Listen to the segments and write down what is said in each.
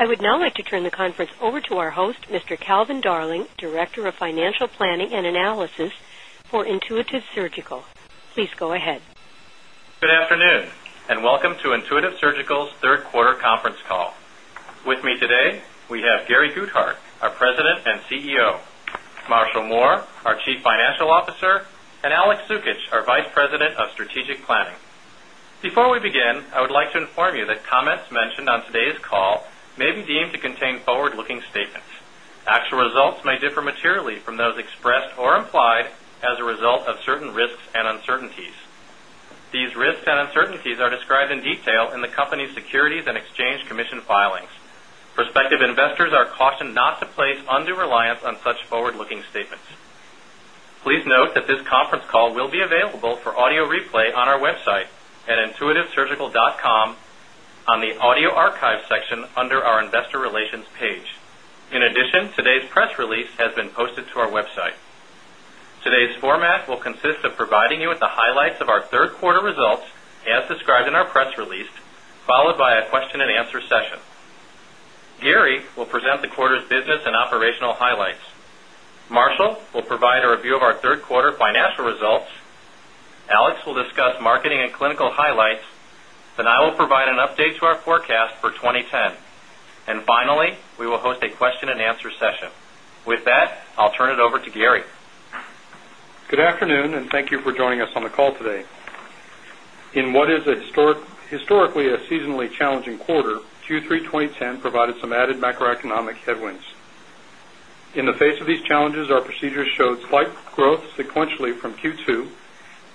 I would now like to turn the conference over to our host, Mr. Calvin Darling, Director of Financial Planning And Analysis for Intuitive Surgical. Please go ahead. Good afternoon, and welcome to Intuitive Surgical's 3rd quarter conference call. With me today, we have Gary Guthart, our president and CEO. Marshall Moore, our chief financial officer, and Alex of strategic planning. Before we begin, I would like to inform you that comments mentioned on today's call may be deemed to contain forward looking statements. Actual may differ materially from those expressed or implied as a result of certain risks and uncertainties. These risks and uncertainties described in detail in the company's securities and exchange commission filings. Prospective investors are cautioned not to place undue reliance on such forward looking statements. Please surgical.com on the audio archive section under our investor relations page. In addition, today's press release been posted to our website. Today's format will consist of providing you with the highlights of our 3rd quarter results as described in our press release followed by a question and answer session. Gary will present the quarter's business and operational highlights. Marsh will provide a review of our 3rd quarter financial results. Alex will discuss marketing and clinical highlights, then I will provide an update to our forecast for 2010. And finally, we will host a question and answer session. With that, I'll turn it over to Gary. Good afternoon, and thank you for joining us on the call today. In what is a historic historically a seasonally challenging quarter, q32010 provided some added macroeconomic headwinds. In the face of these challenges, our procedures showed slight growth sequentially from Q2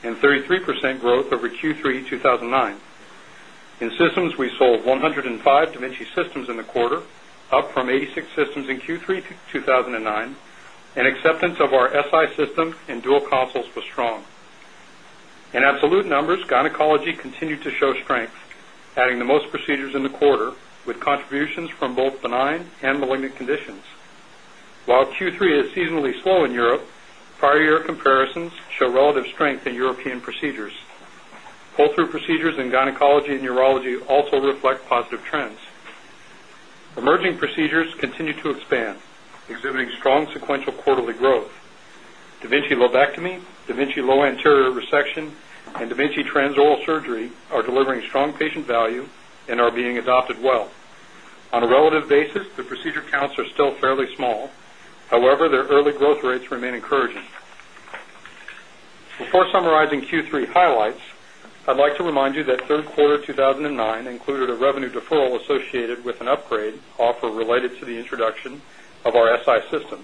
and 33% growth over Q3 to 1009. In systems, we sold 105 Diminci systems in the quarter, up from 86 systems in Q3 2009 and of our SI system and dual consoles was strong. In absolute numbers, gynecology continued to show strength, adding the most procedures in the quarter with contributions from both benign and malignant conditions. While Q3 is seasonally slow in Europe, prior year comparisons show relative in European procedures. Pull through procedures in gynecology and urology also reflect positive trends. Emerging seizures continued to expand exhibiting strong sequential quarterly growth. Da Vinci lobectomy, da Vinci low anterior resection, and Tranz oral surgery are delivering strong patient value and are being adopted well. On a relative basis, the procedure counts are still fairly all. However, their early growth rates remain encouraging. Before summarizing Q3 highlights, I'd like to remind you third quarter 2009 included a revenue deferral associated with an upgrade offer related to the introduction of our SI system.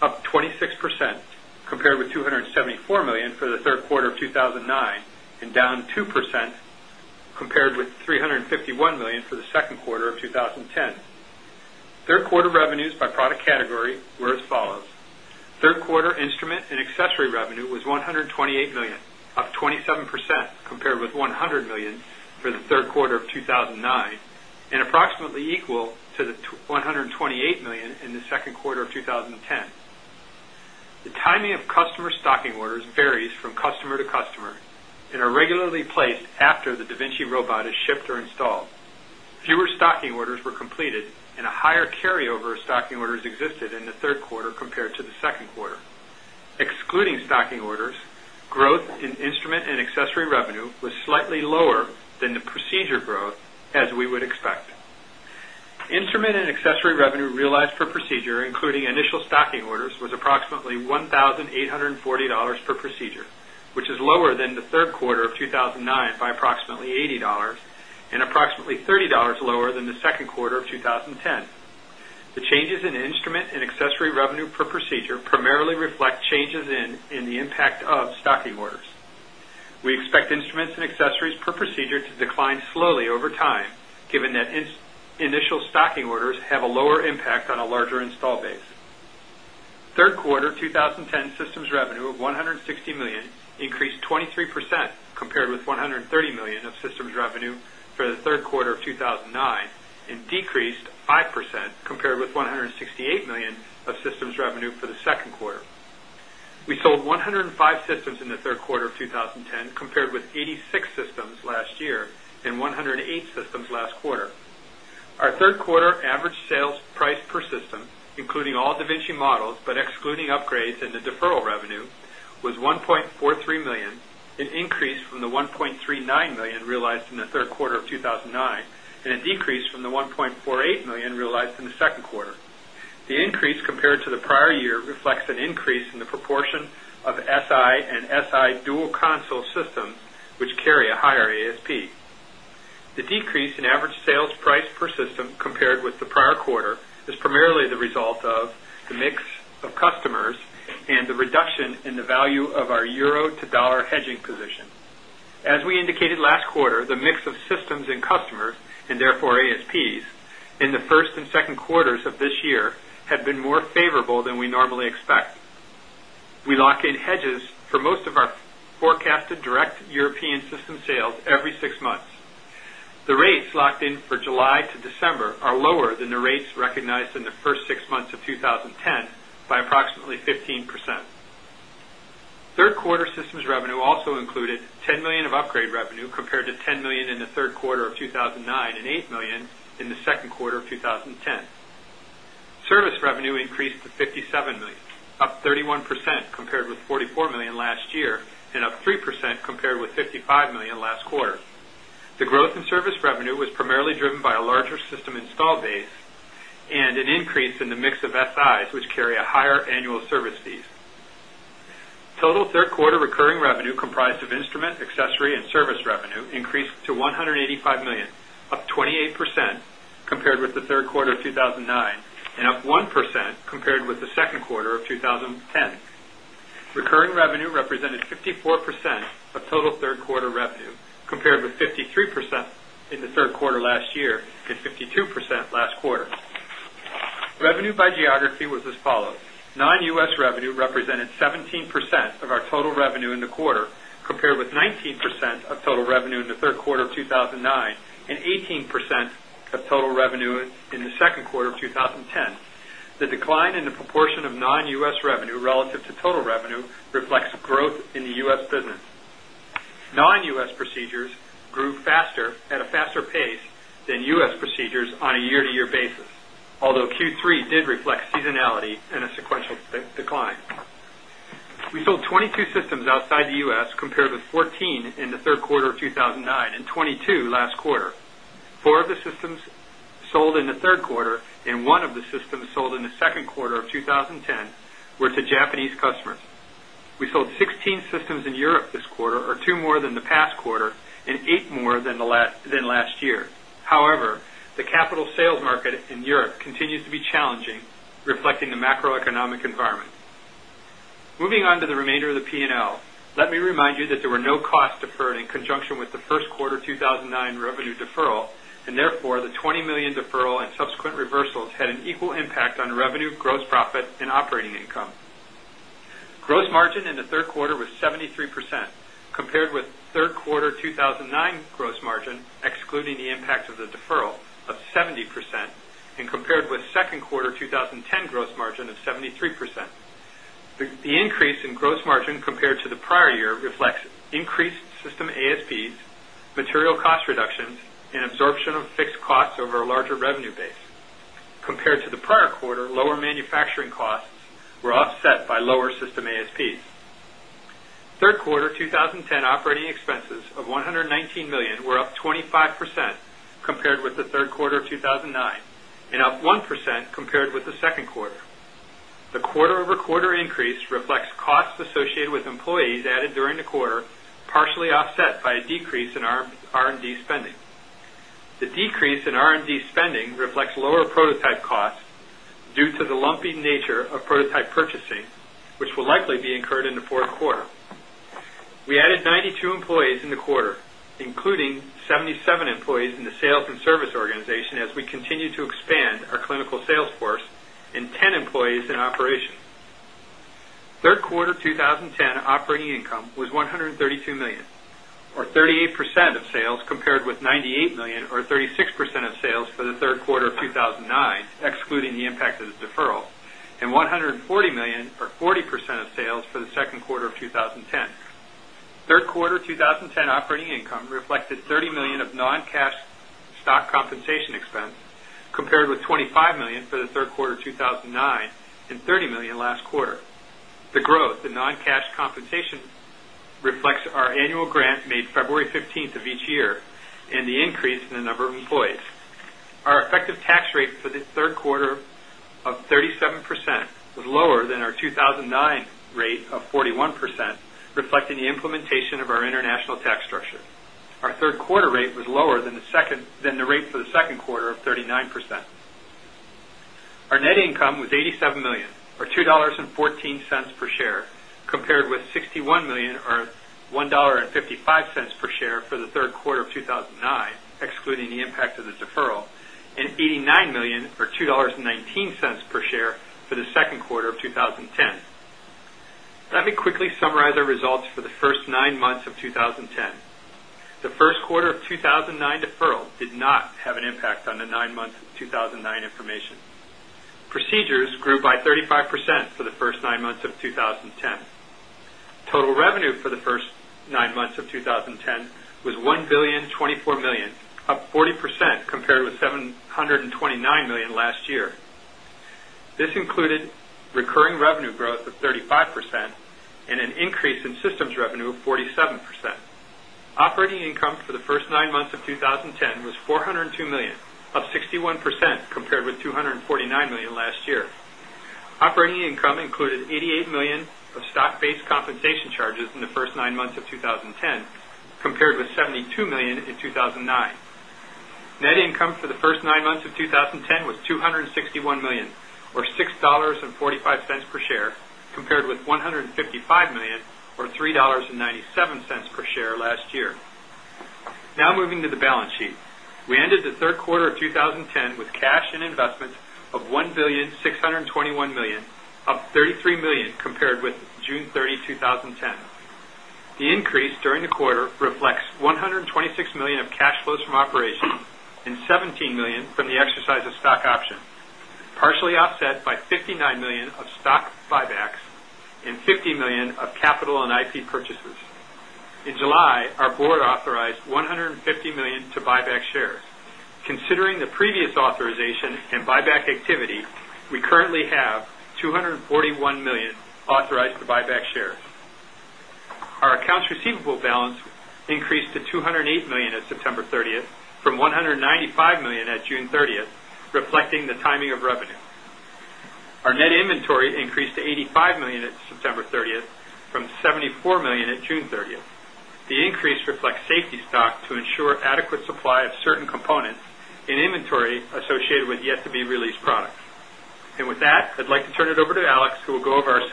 Compared and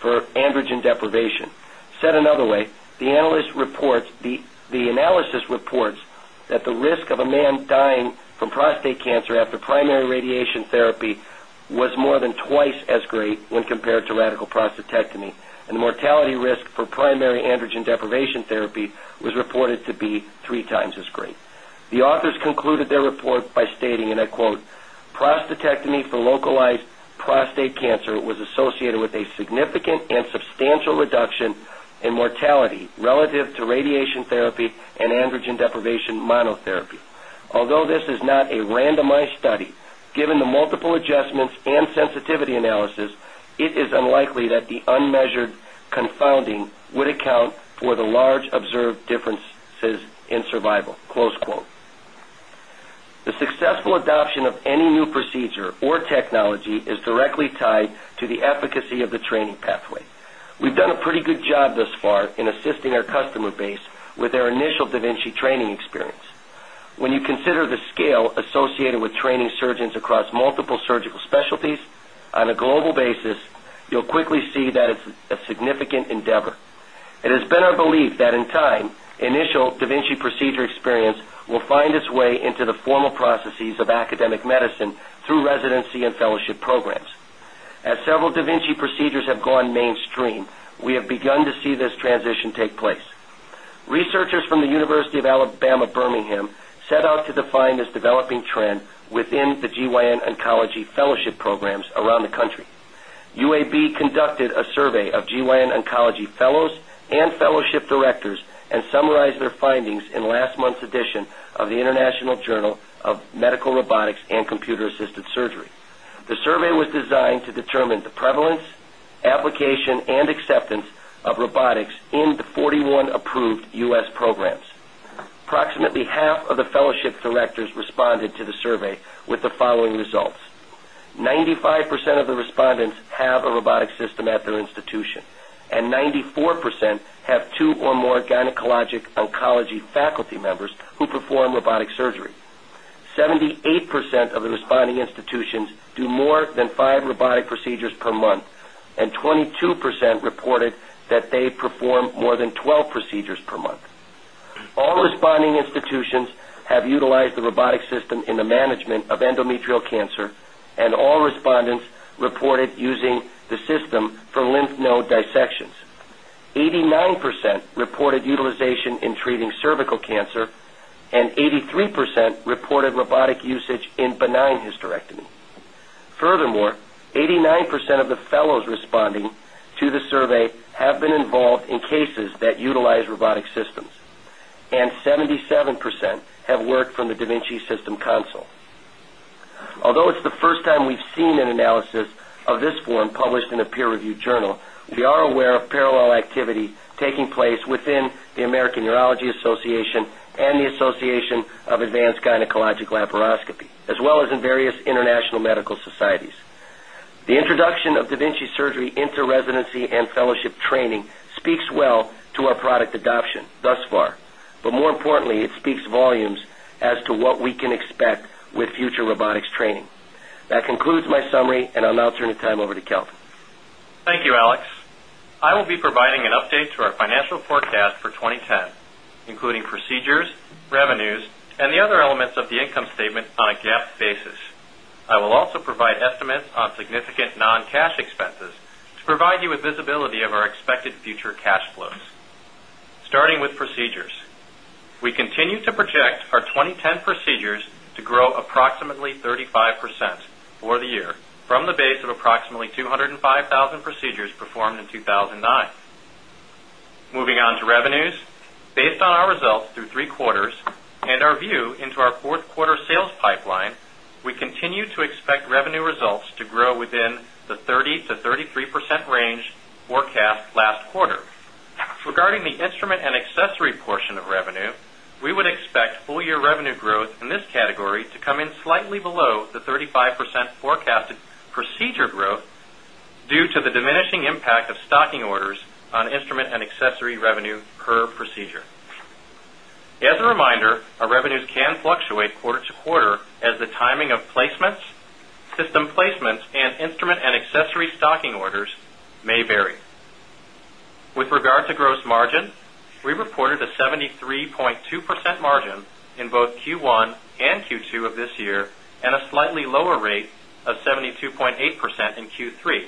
for androgen deprivation. Said another way, the analyst reports the analysis reports that the risk of a man dying from prostate cancer after primary radiation therapy was prostatectomy and the mortality risk for primary androgen deprivation therapy was reported to be 3 times as great. The authors concluded their report by stating, I quote, prostatectomy for localized prostate cancer relative to radiation therapy and androgen deprivation monotherapy. Although this is not a randomized study, the multiple adjustments and sensitivity analysis it is unlikely that the unmeasured confounding would account for the large observed differences in survival. The successful adoption of any new of the associated with training significant endeavor. It has been our belief that in time, initial da Vinci procedure experience will find its way into the formal processes of academic medicine through residency and fellowship programs. As several da Vinci procedures have take place. Researchers from the University of Alabama, Birmingham, set out to define as developing trend within grams around the country. UAB conducted a survey of GYN Oncology fellows and fellowship directors and summarized findings in last month's edition of the International Journal of Medical Robotics And Computer Assistant Surgery. The survey was designed to determine the prevalence, application and acceptance of robotics into 41 approved U. S. Programs. Approximately half of the fellow collections, have 2 or more gynecologic oncology faculty members who perform robotic surgery. 78 percent of the responding institutions due more than 5 robotic procedures per month and 22% reported that A perform more than 12 procedures per month. All responding institutions have utilized the robotic system in the management of end metrial cancer and all respondents reported using the system for lymph node dissections. 89% reported utilization in tree cervical of the Davinci System Council. Although it's the first time we've seen an analysis of this form published in the peer of journal, we are aware of parallel activity taking place within the American Urology Association and the Association of Advanced in residency and fellowship training speaks well to Uh-huh. Forecast for 2010, including procedures, revenues, and the other elements of the income statement on a GAAP basis. I will also provide estimates on non cash expenses to provide you with visibility of our expected future cash to in 2009. Moving on to revenues. Based on our results through 3 quarters and our view into our 4th quarter sales pipeline, we can you to expect revenue results to grow within the 30 to 33% range forecast last quarter. For the instrument and accessory portion of revenue, we would expect full year revenue growth in this category to come in slightly below the 35% forecasted procedure growth due to the diminishing impact of stocking orders on instrument and accessory revenue per procedure. As a reminder, our revenues can fluctuate quarter to quarter as the timing of placements system the 73 point in Q3,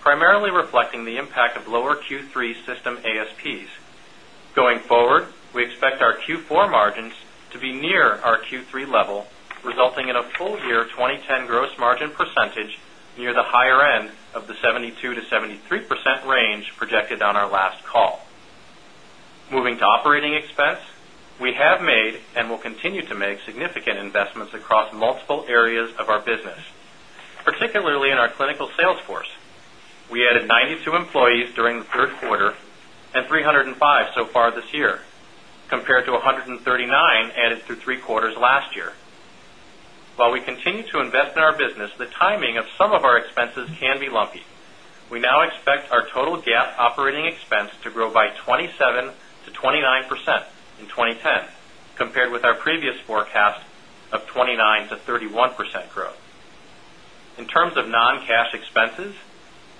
primarily reflecting the impact of lower Q3 system ASPs. Going forward, we our Q4 margins to 73% range projected on our last call. Moving to operating expense, we have made and will continue to make significant investments across multiple areas of our business, particularly in our clinical sales force. We added 92 employees during the third quarter 305 so far this year compared to a 139 added through 3 quarters last year. While we continue to invest in our business, the timing of some our expenses can be lumpy. We now expect our total GAAP operating expense to grow by 27 to 29% in 2010 compared with our previous forecast of 29 to 31 percent growth. In terms of non cash expenses,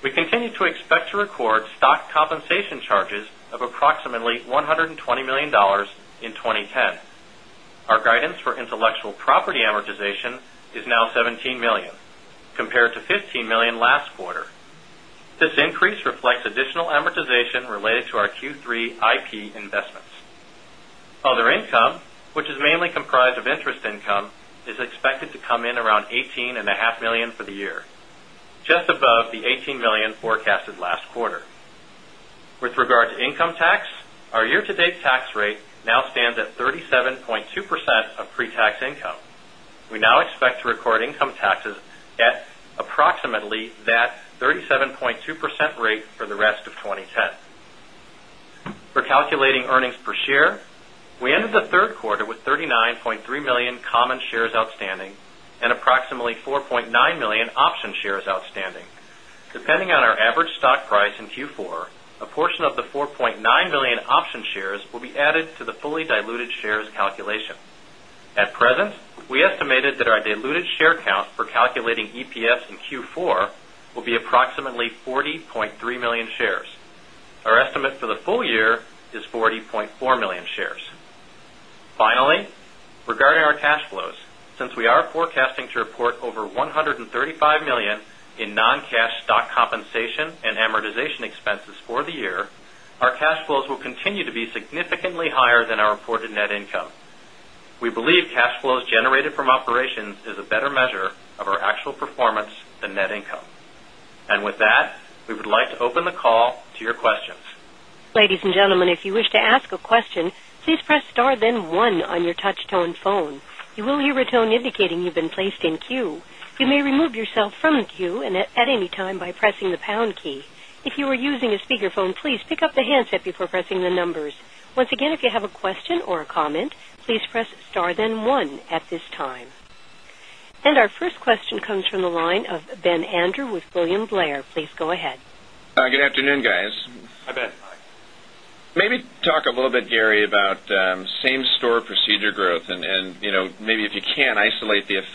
we continue to to record stock compensation charges of approximately $120,000,000 in 2010. Our guidance for intellectual property amortization is now 17,000,000 compared to 15,000,000 last quarter. This increase reflects additional amortization related to comprised of interest income is expected to come in around 18a half 1000000 for the year, just above the 18,000,000 forecasted last quarter. With our income tax, our year to date tax rate now stands at 37.2 percent of pretax income. We now expect to record income tax at approximately that 37.2% rate for the rest of 2010. For Cal related earnings per share, we ended the 3rd quarter with 39,300,000 common shares outstanding and approximately 4 point 9,000,000 option shares outstanding. Depending on our average stock price in Q4, a portion of the 4,900,000 option shares will be added to the fully diluted shares calculation. At present, we estimated that our diluted share count for calculating EPS in Q4 will be approximate 40,300,000 shares. Our estimate for the full year is 40,400,000 shares. Finally, we regarding our cash flows since we are forecasting to report over $135,000,000 in non cash stock compensation and amortization expenses for the year, our cash flows will continue to be significantly higher than our reported net income. Better measure of our actual performance and net income. And with that, we would like to open the call to your questions. You. First question comes from the line of Ben Andrew with William Blair. Please go ahead. Maybe talk a little bit Gary about same store procedure growth and you know maybe if you can isolate the of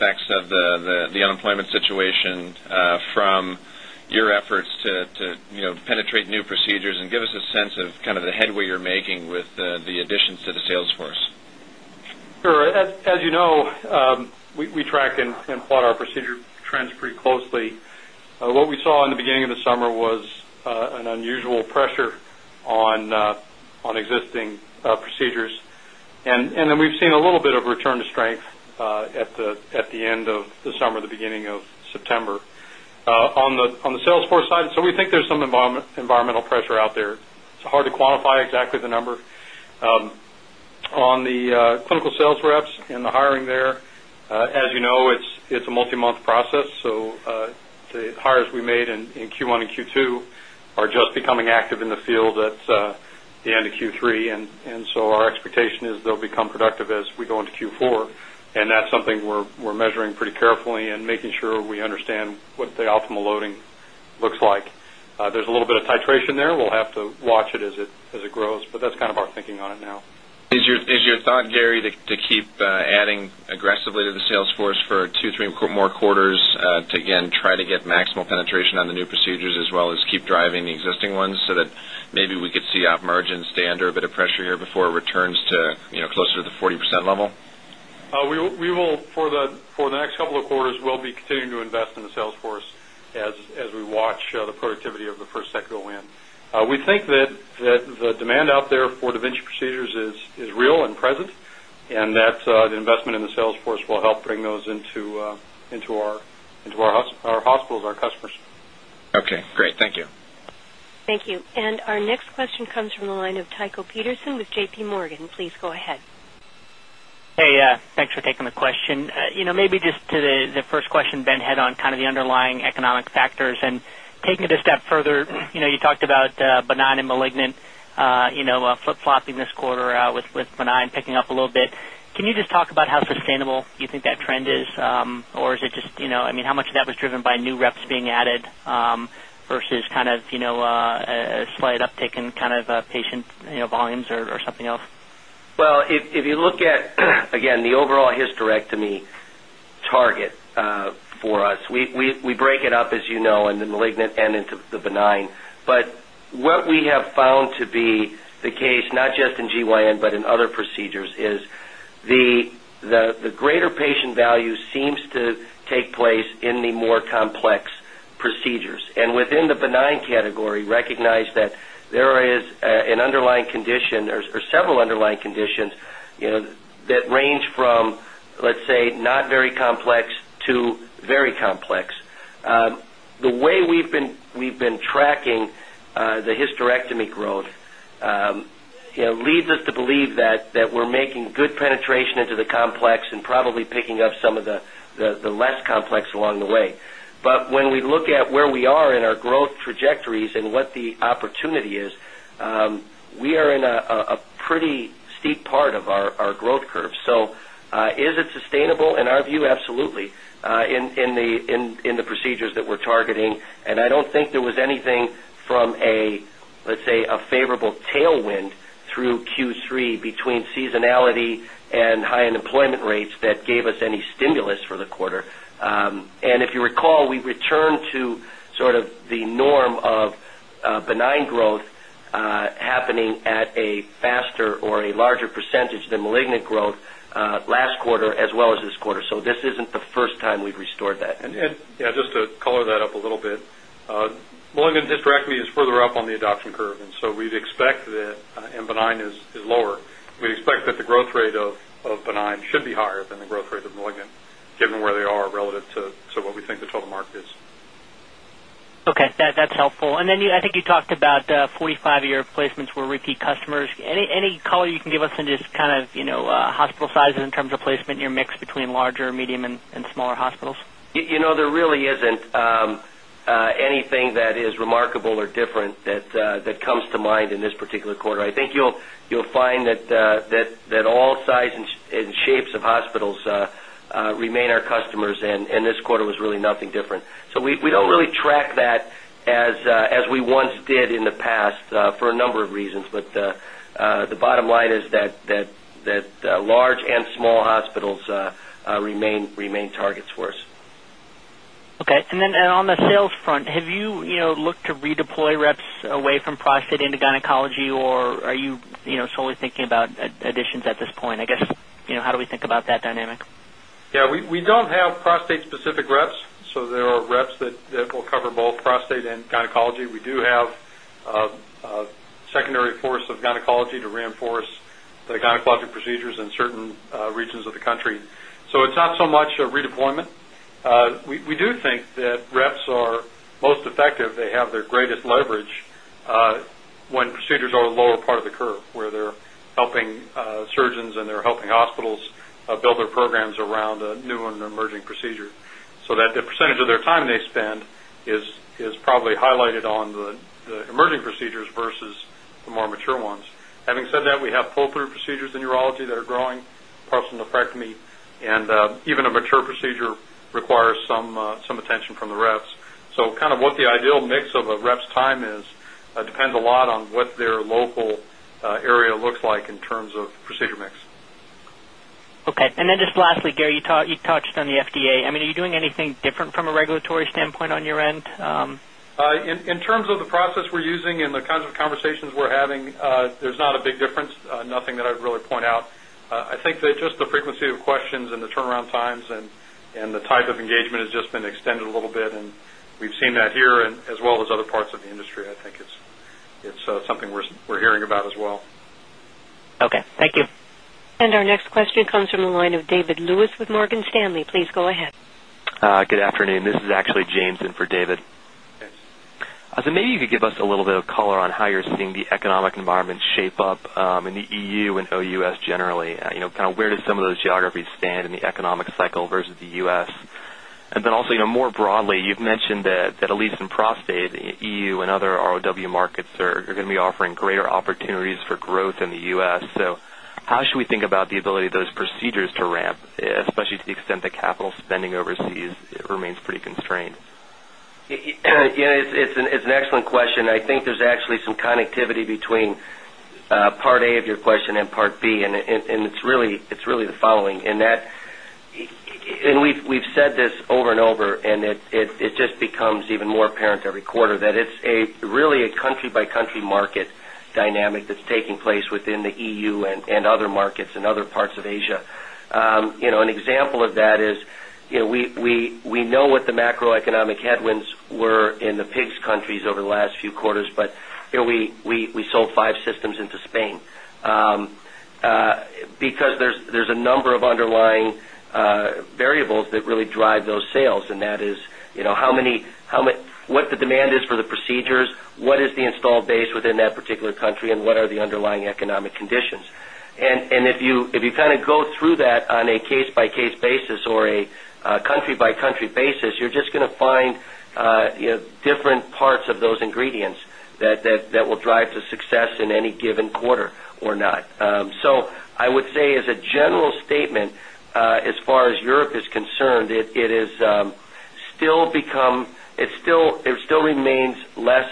the unemployment situation, from your efforts to penetrate new procedures and give us a sense of kind of what you're making with the the additions to the Salesforce? Sure. As as you know, we we track and and plot our procedure trends pretty close what we saw in the beginning of the summer was, an unusual pressure on, on existing procedure And then we've seen a little bit of return to strength, at the end of the summer, the beginning of September, on the sales force side. So we think there's some environmental pressure out there. It's hard to quantify exactly the number. On the, clinical sales reps and the hiring there, As you know, it's a multi month process. So, the hires we made in Q1 and Q2 are just becoming active in the field that, you end of Q3. And so our expectation is they'll become productive as we go into Q4. And that's something we're measuring pretty carefully and making sure we understand and what the optimal loading looks like. There's a little bit of titration there. We'll have to watch it as it grows, but that's kind of our thinking on it now. On Gary to to keep adding aggressively to the sales force for 2, 3 more quarters, to again try to get maximal penetration on the new procedures as well as keep driving the ones so that maybe we could see op margins stay under a bit of pressure here before it returns to, you know, closer to the 40% level? We will, for the for the next couple of quarters, we'll be continuing to invest in the sales force as as we watch, the productivity of the first in. We think that the demand out there for da Vinci procedures is real and present and that the investment in the sales force will bring those into, into our into our house our hospitals, our customers. You. And our next question comes from the line of Tycho Peterson with JPMorgan. Please go ahead. Maybe just to the first question, Ben, head on kind of the underlying economic factors and taking it a step further, you talked about benign and malignant, you know, flip flopping this quarter with benign picking up a little bit. Can you just talk about how sustainable you think that trend is, or it just, you know, I mean, how much of that was driven by new reps being added, versus kind of, you know, a slight uptake in kind of a patient, you know, volumes or something else? Well, if you look at, again, the overall hysterectomy target, for us, break it up as you know and then lignite and into the benign. But what we have found to be the case, not just in GYN, but in other procedures is the greater patient value seems to take place in the more complex procedures. And with in the benign category recognize that there is an underlying condition or several underlying conditions that range from let's say very complex to very complex. The way we've been tracking the hysterect me growth. It leads us to believe that we're making good penetration into the complex and probably picking up some of the less complex along the way. But when we look at where we are in our growth trajectories and what the opportunity is, we are in a pretty steep part of our growth curve. So, is it sustainable in our view? Absolutely, in the procedures that we're and I don't think there was anything from a, let's say, a favorable tailwind through Q3 between seasonality and high employment rates that gave us any stimulus for the quarter. And if you recall, we returned to sort of the norm of benign growth happening at a faster or a larger percentage than malignant growth last quarter as well as this quarter. So this isn't the first time we've restored that. And just to color that up a little bit. Willing to distract me is further up on the adoption curve. And so we'd expect that M benign is lower. We'd expect that the growth rate of 9 should be higher than the growth rate of Milligan given where they are relative to to what we think the total market is. Okay. That that's And then I think you talked about 45 year placements were repeat customers. Any color you can give us on just kind of hospital size in terms of placement between larger, medium, and and smaller hospitals? You know, there really isn't, anything that is remarkable or different that to mind in this particular quarter. I think you'll find that all sizes and shapes of hospitals remain our customers in this quarter really nothing different. So we don't really track that as we once did in the past for a number of reasons, but bottom line is that that that large and small hospitals, remain remain targets for us. And then on the sales front, have you looked to redeploy reps away from prostate into gynecology or are you solely thinking about addition at this point. I guess, you know, how do we think about that dynamic? Yeah. We we don't have prostate specific reps, so there are reps that that will cover both prostate and kinda We do have a secondary force of gynecology to reinforce the gynecologic procedures in certain regions of the country. So at top much a redeployment. We do think that reps are most effective. They have their greatest leverage, when procedures are lower occur where they're helping, surgeons and they're helping hospitals build their programs around a new and emerging procedure. So a percentage of their time they spend is is probably highlighted on the the emerging procedures versus the more mature ones. Having that we have pull through procedures in urology that are growing parts and nephrectomy. And, even a mature procedure requires some, some attention from the reps. So kind of what the ideal mix of a rep's time is depends a lot on what their local, area looks like in terms of procedure mix. And then just lastly, Gary, you touched on the FDA. I mean, are you doing anything different from a regulatory standpoint on your end? In terms of the process we're using and the conversations we're having, there's not a big difference. Nothing that I'd really point out. I think that just of questions and the turnaround times and and the type of engagement has just been extended a little bit. And we've seen that here and as well as other parts industry. I think it's it's something we're we're hearing about as well. From the line of David Lewis with Morgan Stanley. Please go ahead. Good afternoon. This is actually Jameson for David. So maybe give us a little bit of color on how you're seeing the economic environment shape up in the EU and OUS generally? Kind of where do some of those geographies stand in the economic versus the U. S. And then also more broadly, you've mentioned that at least in prostate, EU and other ROW markets are going to be offering greater reasons for growth in the U. S. So how should we think about the ability of those procedures to ramp, especially to the extent the capital spending overseas remains pretty constrained? It's an excellent question. I think there's actually some connectivity between Part A of your question and Part B and it's really the following in that and we've said this over and over and it just becomes even more apparent every quarter that it's a really a country by country market dynamic that's taking place within the EU and markets and other parts of Asia. You know, an example of that is we know what the macroeconomic headwinds were in pigs countries over the last few quarters, but we sold 5 systems into Spain. Because there is a number of underlying variables that really drive those sales and that is how many what the demand is for the procedures, what is the installed base within that particular country and what are the underlying economic conditions. And if you kind of go through that, a case by case basis or a country by country basis, you're just going to find, different parts of those ingredients that will drive to in any given quarter or not. So I would say as a general statement, as far as Europe is concerned, it is still become, it still remains less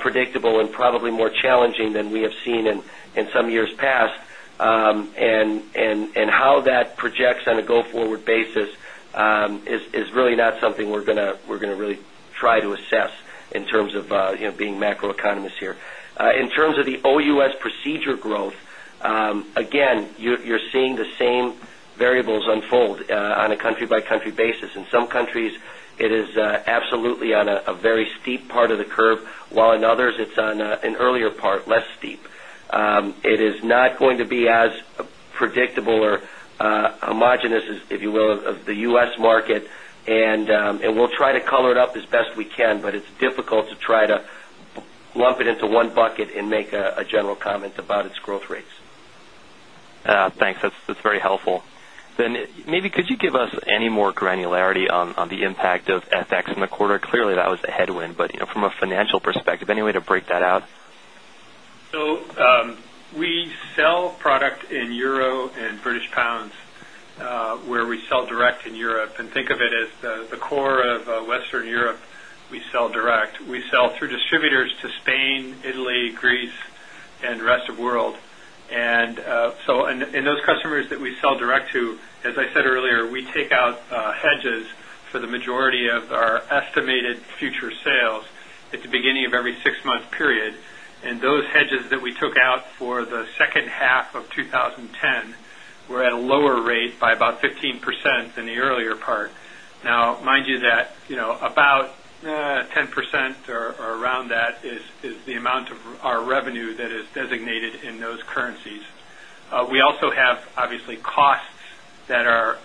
predictable and probably more challenge than we have seen in some years past and how that projects on a go forward basis is really not something we're going to really try to assess in terms of being macro economists here. In terms of the OUS procedure growth, again, you're the same variables unfold on a country by country basis. In some countries, it is absolutely on a very steep part of the curve, while in others, it's an earlier part, less steep. It is not going to be as predictable or a much this is, if you will, of the U. S. Market and we'll try to color it up as best we can, but it's difficult to try to lump it into one and make a general comment about its growth rates. Thanks. That's very helpful. Then maybe could you give us any more granularity on the impact of FX in the quarter. Clearly, that was a headwind, but from a financial perspective, any way to break that out? Sell product in euro and British pounds, where we sell direct in Europe and think of it as the core of Western Europe, we sell direct, we sell through distributors to Spain, Italy, Greece, and rest of world. And, so in customers that we sell direct to as I said earlier, we take out hedges for the majority of our estimated future sales. It's any of every 6 month period and those hedges that we took out for the second half of twenty ten were at a lower rate by about 15% in the earlier part. Now, mind you that, you know, about 10% or around that is the amount of our revenue that is designated in those currencies. We also have, obviously, costs that are,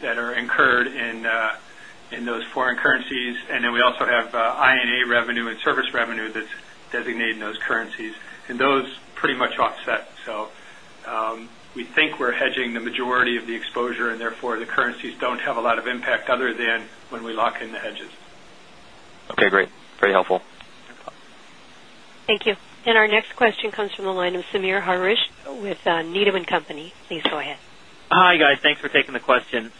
that are incurred in those foreign currencies and then we also have I and A revenue and service revenue that's designated in those currencies and those pretty much offset. So, we think we're hedging the majority of the exposure and therefore the currencies don't have a lot of impact other than when we lock in the hedges. Okay. Great, pretty helpful. Thank you. And our next question comes from the line of Sameer Harish with Needham And Company. Please go ahead. Hi, guys. Thanks for taking the question.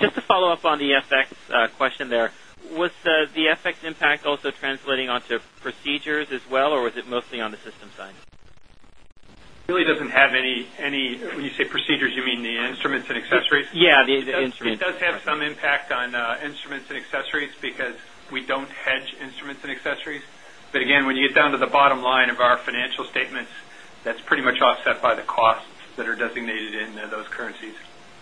Just to follow-up on the FX question there. Was the FX impact also translating onto procedures as well, or is it mostly on the system side? Really doesn't have any any, when you say procedures, you mean, instruments and accessories? Yeah. The the instruments. It does have some impact on, instruments and accessories because we don't hedge instruments and accessories. But again, when you to the bottom line of our financial statements that's pretty much offset by the costs that are designated in those currencies.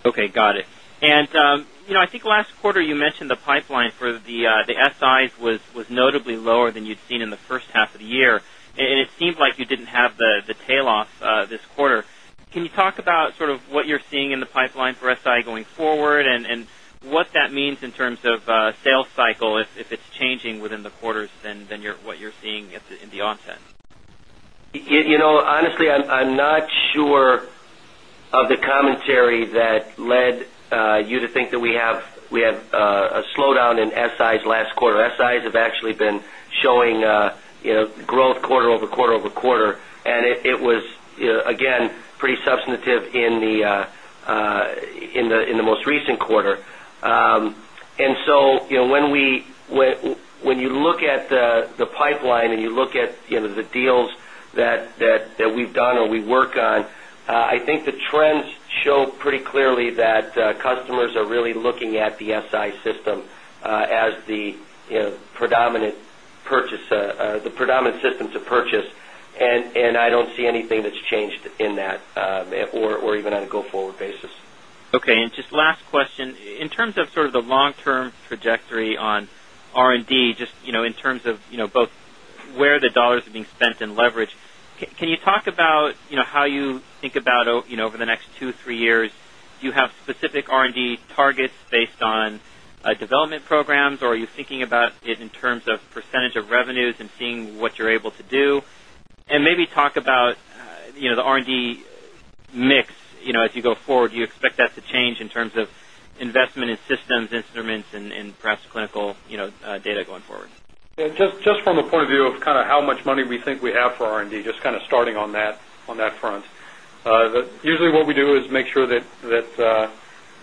Okay. Got it. I think last quarter you mentioned the pipeline for the SIs was notably lower than you'd seen in the first half of the year and it seems like you didn't have the tail off, this quarter. Can you talk about sort of what you're seeing in the pipeline for SI going forward and what that means in terms of, sales cycle, if if it's changing within the quarters, then then you're what you're seeing at the in the onset. You you know, honestly, I'm I'm not sure of the commentary that led you to think that we have, we have a slowdown in SI's last quarter. SIs have actually been showing, you know, growth quarter over quarter over quarter and it was again pretty substantive in the most recent quarter. And so, when we, when you look at the pipeline, you look at the deals that we've done or we work on, I think the trends show pretty clearly that are really looking at the SI system as the predominant purchase the predominant system to purchase and I don't see anything that's changed in that, or even on a go forward basis. Okay. And just last question. In terms of sort of the long term trajectory on R And D, just in terms of both where the dollars are being spent in leverage, you talk about, you know, how you think about, you know, over the next 2, 3 years, do you have specific R and D targets based on, development programs, or are you thinking about in terms of percentage of revenues and seeing what you're able to do. And maybe talk about, you know, the R and D mix, you know, as you go forward, do you expect that to change in terms of investment in systems, instruments and perhaps clinical data going forward? Just from the point of view of kind of how much money we think we have for R and D, just kind of starting on that on that front. The usually what we do is make sure that that,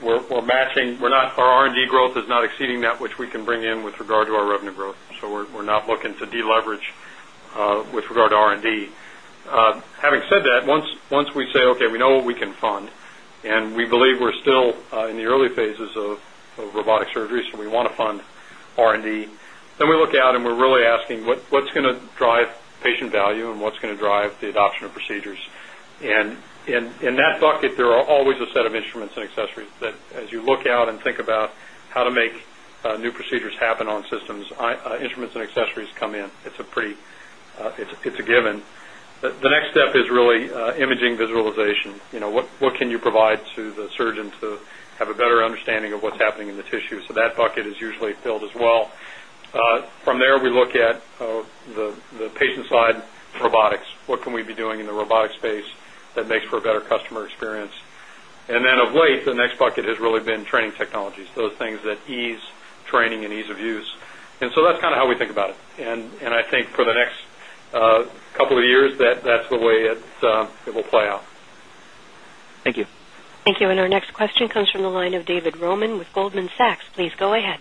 we're we're matching. We're not our R and D growth is not exceeding that, which we can bring in with regard to revenue growth. So we're we're not looking to deleverage, with regard to R and D. Having said that, once once we say, okay, we know what we can fund, and we believe we're still, in the early phases of of robotics surgeries, and we wanna fund R And D. Then we look out and we're really asking what going to drive patient value and what's going to drive the adoption of procedures. And in that bucket, there are always a of instruments and accessories that as you look out and think about how to make, new procedures happen on systems, instruments and accessories in. It's a pretty, it's it's a given. But the next step is really, imaging visualization. You know, what what can you provide to the surgeon to have a better understanding of what's happening in the tissue. So that bucket is usually filled as well. From there, we look at the the next bucket has really been technologies, those things that ease training and ease of use. And so that's kinda how we think about it. And and I think for the next of years, that that's the way it's, it will play out. Thank you. Thank you. And our next question comes from the line of Roman with Goldman Sachs. Please go ahead.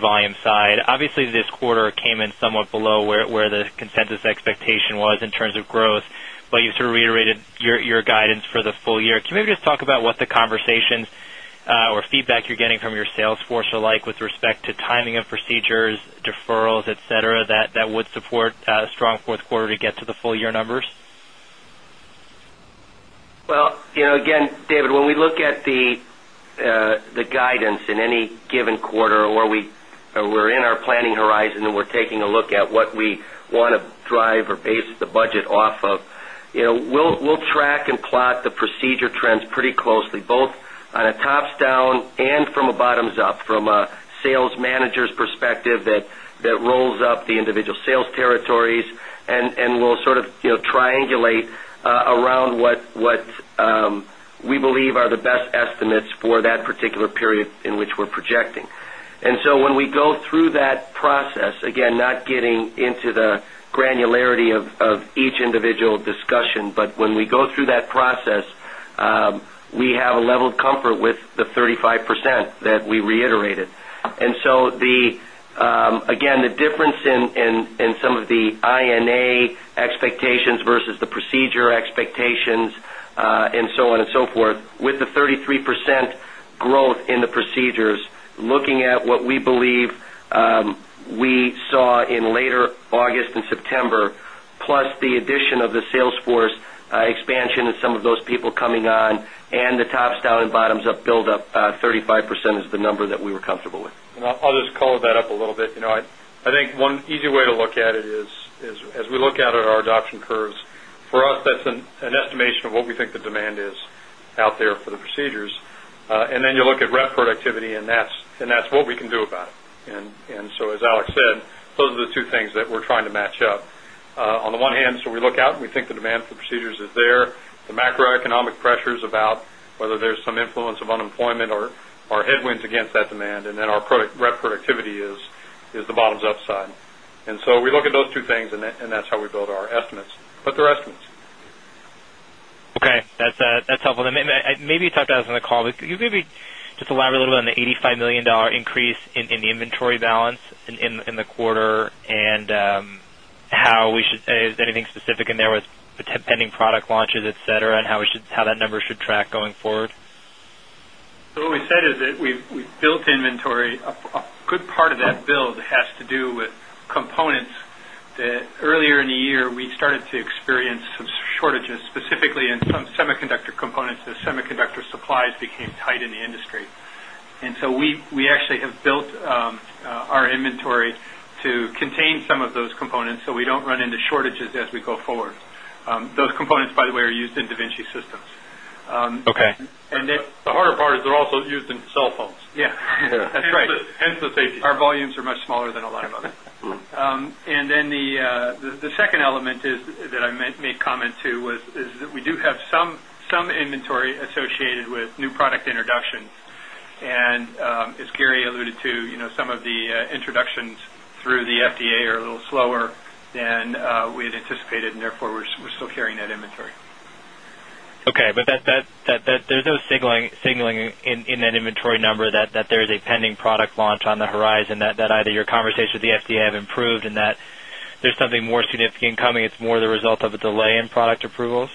Volume side. Obviously, this quarter came in somewhat below where the consensus expectation was in terms of growth, but you sort of reiterated your guidance for the full year. Can you maybe just talk about what the conversations, or feedback you're getting from your sales force are like with respect to timing of procedures, deferrals that etcetera that that would support a strong 4th quarter to get to the full year numbers? Well, you know, again, David, when we look at the guidance in any given quarter or we are in our planning horizon, the taking a look at what we want to drive or pace the budget off of, you know, we'll track and plot the procedure trends pretty closely, both on a tops down and from a bottoms up from a sales manager's perspective that rolls up the individual sales territory and we will sort of triangulate around what we believe are the best mids for that particular period in which we are projecting. And so when we go through that process, again, not getting into the granularity of each individual discussion, but when we go through that process, we have a level of comfort with the 35% that we reiterated. And so, be, again, the difference in some of the I and A expectations versus the procedure expectation and so on and so forth with the 33% growth in the procedures, looking at what we believe, we saw in later August September plus the addition of the sales force expansion of some of those people coming on and the tops down bottoms up build up 35% is the number that we were comfortable with. I'll just call that up a little bit. You know, I think one easy way to look at it is, as we look our adoption curves. For us, that's an an estimation of what we think the demand is out there for the procedures. And then you look rep productivity and that's what we can do about it. And and so as Alex said, those are the two things that we're trying to match up. On the one hand, look out and we think the demand for procedures is there. The macroeconomic pressures about whether there's some influence of unemployment or headwinds against that demand and then our product rep productivity is is the bottoms upside. And so we look at those two things and that's we build our estimates, but they're estimates. Okay. That's that's helpful. And maybe you talked to us on the call, but could you maybe just elaborate a little bit on the 85,000,000 increase in in the inventory balance in in in the quarter and, how we should say is anything specific in there with product launches, etcetera, and how we should how that number should track going forward? So what we said is that we've we've built inventory a good part of that build has to do with components that earlier in in some semiconductor components, the semiconductor supplies became tight in the industry. And so we actually have built, our inventory to some of those components so we don't run into shortages as we go forward. Those components, by the way, are used in da Vinci systems. And then the harder part is they're also used in helpfuls. Yeah. That's right. That's the thing. Our volumes are much smaller than a lot of others. And then the, the second element is that I made comment to is that we do have some inventory associated with new product introductions. And as Gary alluded to, some of the introductions through the FDA are a little slower than, we had anticipated and therefore, we're we're still carrying that inventory. But that, that, that, there's no signaling in that inventory number that there is a pending product launch on the horizon that, that either your that the FDA have improved and that there's something more significant coming. It's more of the result of a delay in product approvals?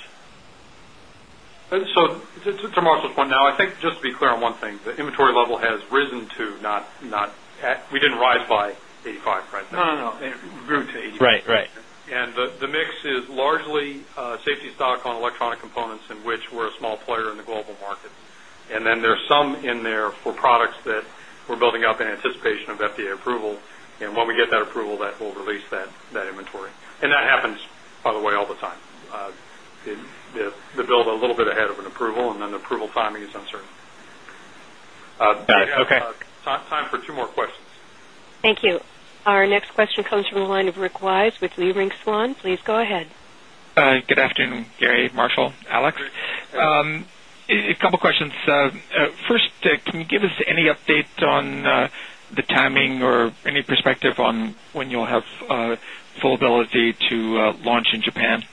So it's a commercial now. I think just to be clear on one thing, the inventory level has risen to not not at we didn't rise by 85 right now. No. No. It grew to 80. Right. Right. And the the mix largely, safety stock on electronic components in which we're a small player in the global market. And then there's some in there for products that we're building up in patient of FDA approval. And when we get that approval, that will release that that inventory. And that happens, by the way, all the time. The the bill ahead of an approval and then the approval timing is uncertain. Time for 2 more questions. Thank you. Next question comes from the line of Rick Wise with Leerink Swan. Please go ahead. Good afternoon. Gary, Marshall, Alex. A couple of questions. First, can you give us any update on the timing or any perspective on when you'll have full ability to launch in Japan?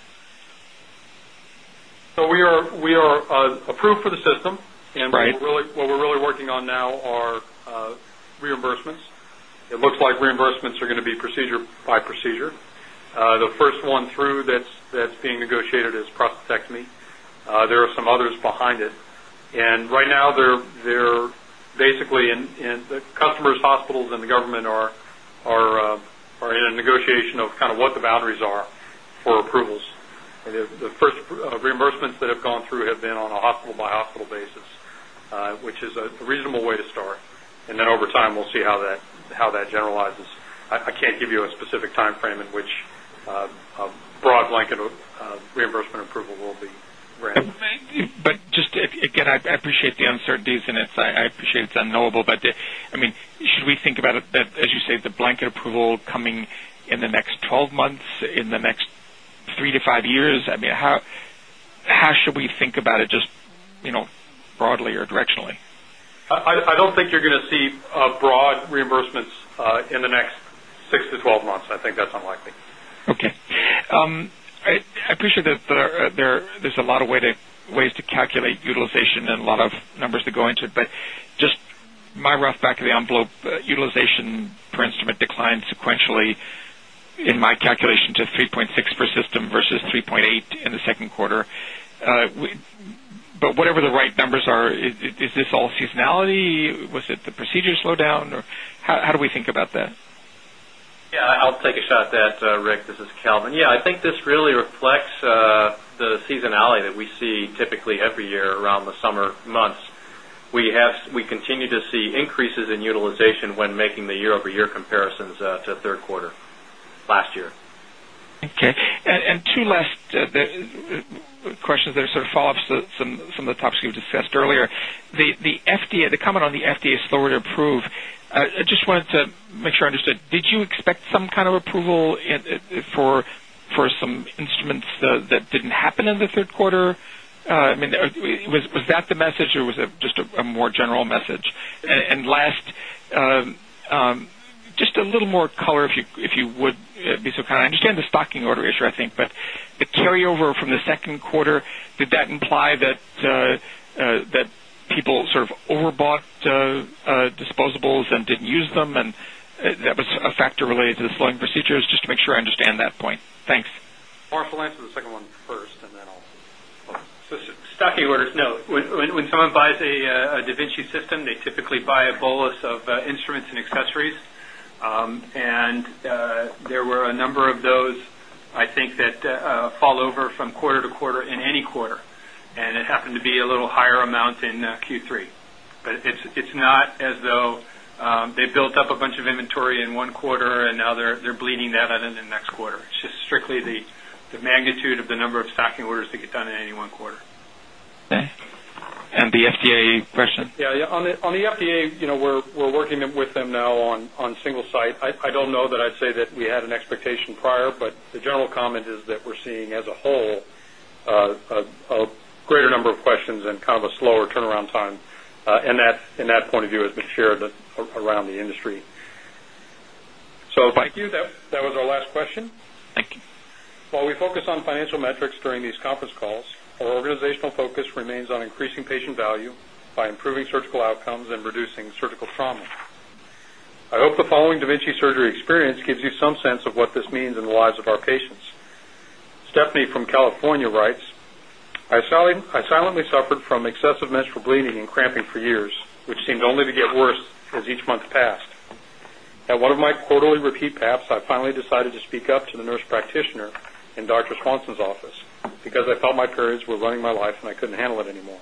So we are we are, approved for the system and what we're really what we're really working on now are, the first one through that's being negotiated it is prostatectomy. There are some others behind it. And right now, they're they're basically in in the customers, hospitals, and the government are are, are in a negotiation of kind of what the boundaries are for approvals. And then the first reimbursements that have gone through have been on a hospital by hospital basis, which is a reasonable way to start. And then over time, we'll see how that how that generalizes. I think give you a specific time frame in which a broad blanket of reimbursement approval will be ran. The uncertainties and it's, I appreciate it's unknowable, but I mean, should we think about it that as you say, the blanket approval coming in the next 12 months, in the next three 5 years? I mean, how should we think about it just broadly or directionally? I don't think you're gonna the broad reimbursements in the next 6 to 12 months. I think that's unlikely. A lot of way to ways to calculate utilization and a lot of numbers to go into, but just my rough back of the envelope, utilization per instrument line sequentially in my calculation to 3.6 per system versus 3.8 in the second quarter. But whatever the right number are is this all seasonality? Was it the procedure slowdown or how do we think about that? Yes, I'll take a shot at that, Rick. This is Calvin. Yes, I think this reflects, the seasonality that we see typically every year around the summer months. We have we continue to see increases in utilization when making the year over year comparisons to 3rd quarter last year. Okay. And two last questions that sort of follow-up some the topics we've discussed earlier, the FDA, the comment on the FDA is slower to approve. I just wanted to make sure I understood, did you expect some approval for some instruments that didn't happen in the third quarter. Was that the message or was it just a more general message. And last, just a little more color if you would be so kind of understand the stocking order issue, I think, but the carryover from the second quarter. Did that imply that people sort of overbought disposables didn't use them and that was a factor related to the slowing procedures, just to make sure I understand that point? Thanks. I'll answer the second one first and then I'll when someone buys a da Vinci system, they typically buy a bolus of instruments and accessories. And, there were a number of those, I think that, fall over from quarter to quarter in any quarter. And it happened to be a little higher amount in Q3. But it's not as though, they've built up a bunch of inventory in 1 quarter and now they're bleeding that out of the next order. It's just strictly the magnitude of the number of stocking orders to get done in any one quarter. Okay. And the question? Yes. On the FDA, we're working with them now on single site. I don't know that I'd say that we had an expectation prior, but the general comment is that we're seeing as a whole, a greater number of questions and kind of a slower turnaround time. And that in that point of view has been shared around the industry. So thank you. That that was our last question. Thank you. While we focus financial metrics during these conference calls, our organizational focus remains on increasing patient value by improving surgical outcomes using surgical trauma. I hope the following da Vinci surgery experience gives you some sense of what this means in the lives of our patients. Me from California rights, I I silently suffered from excessive menstrual bleeding and cramping for years, which seemed only to get worse as each month passed. At one of my quarterly repeat response office because I felt my parents were running my life and I couldn't handle it anymore.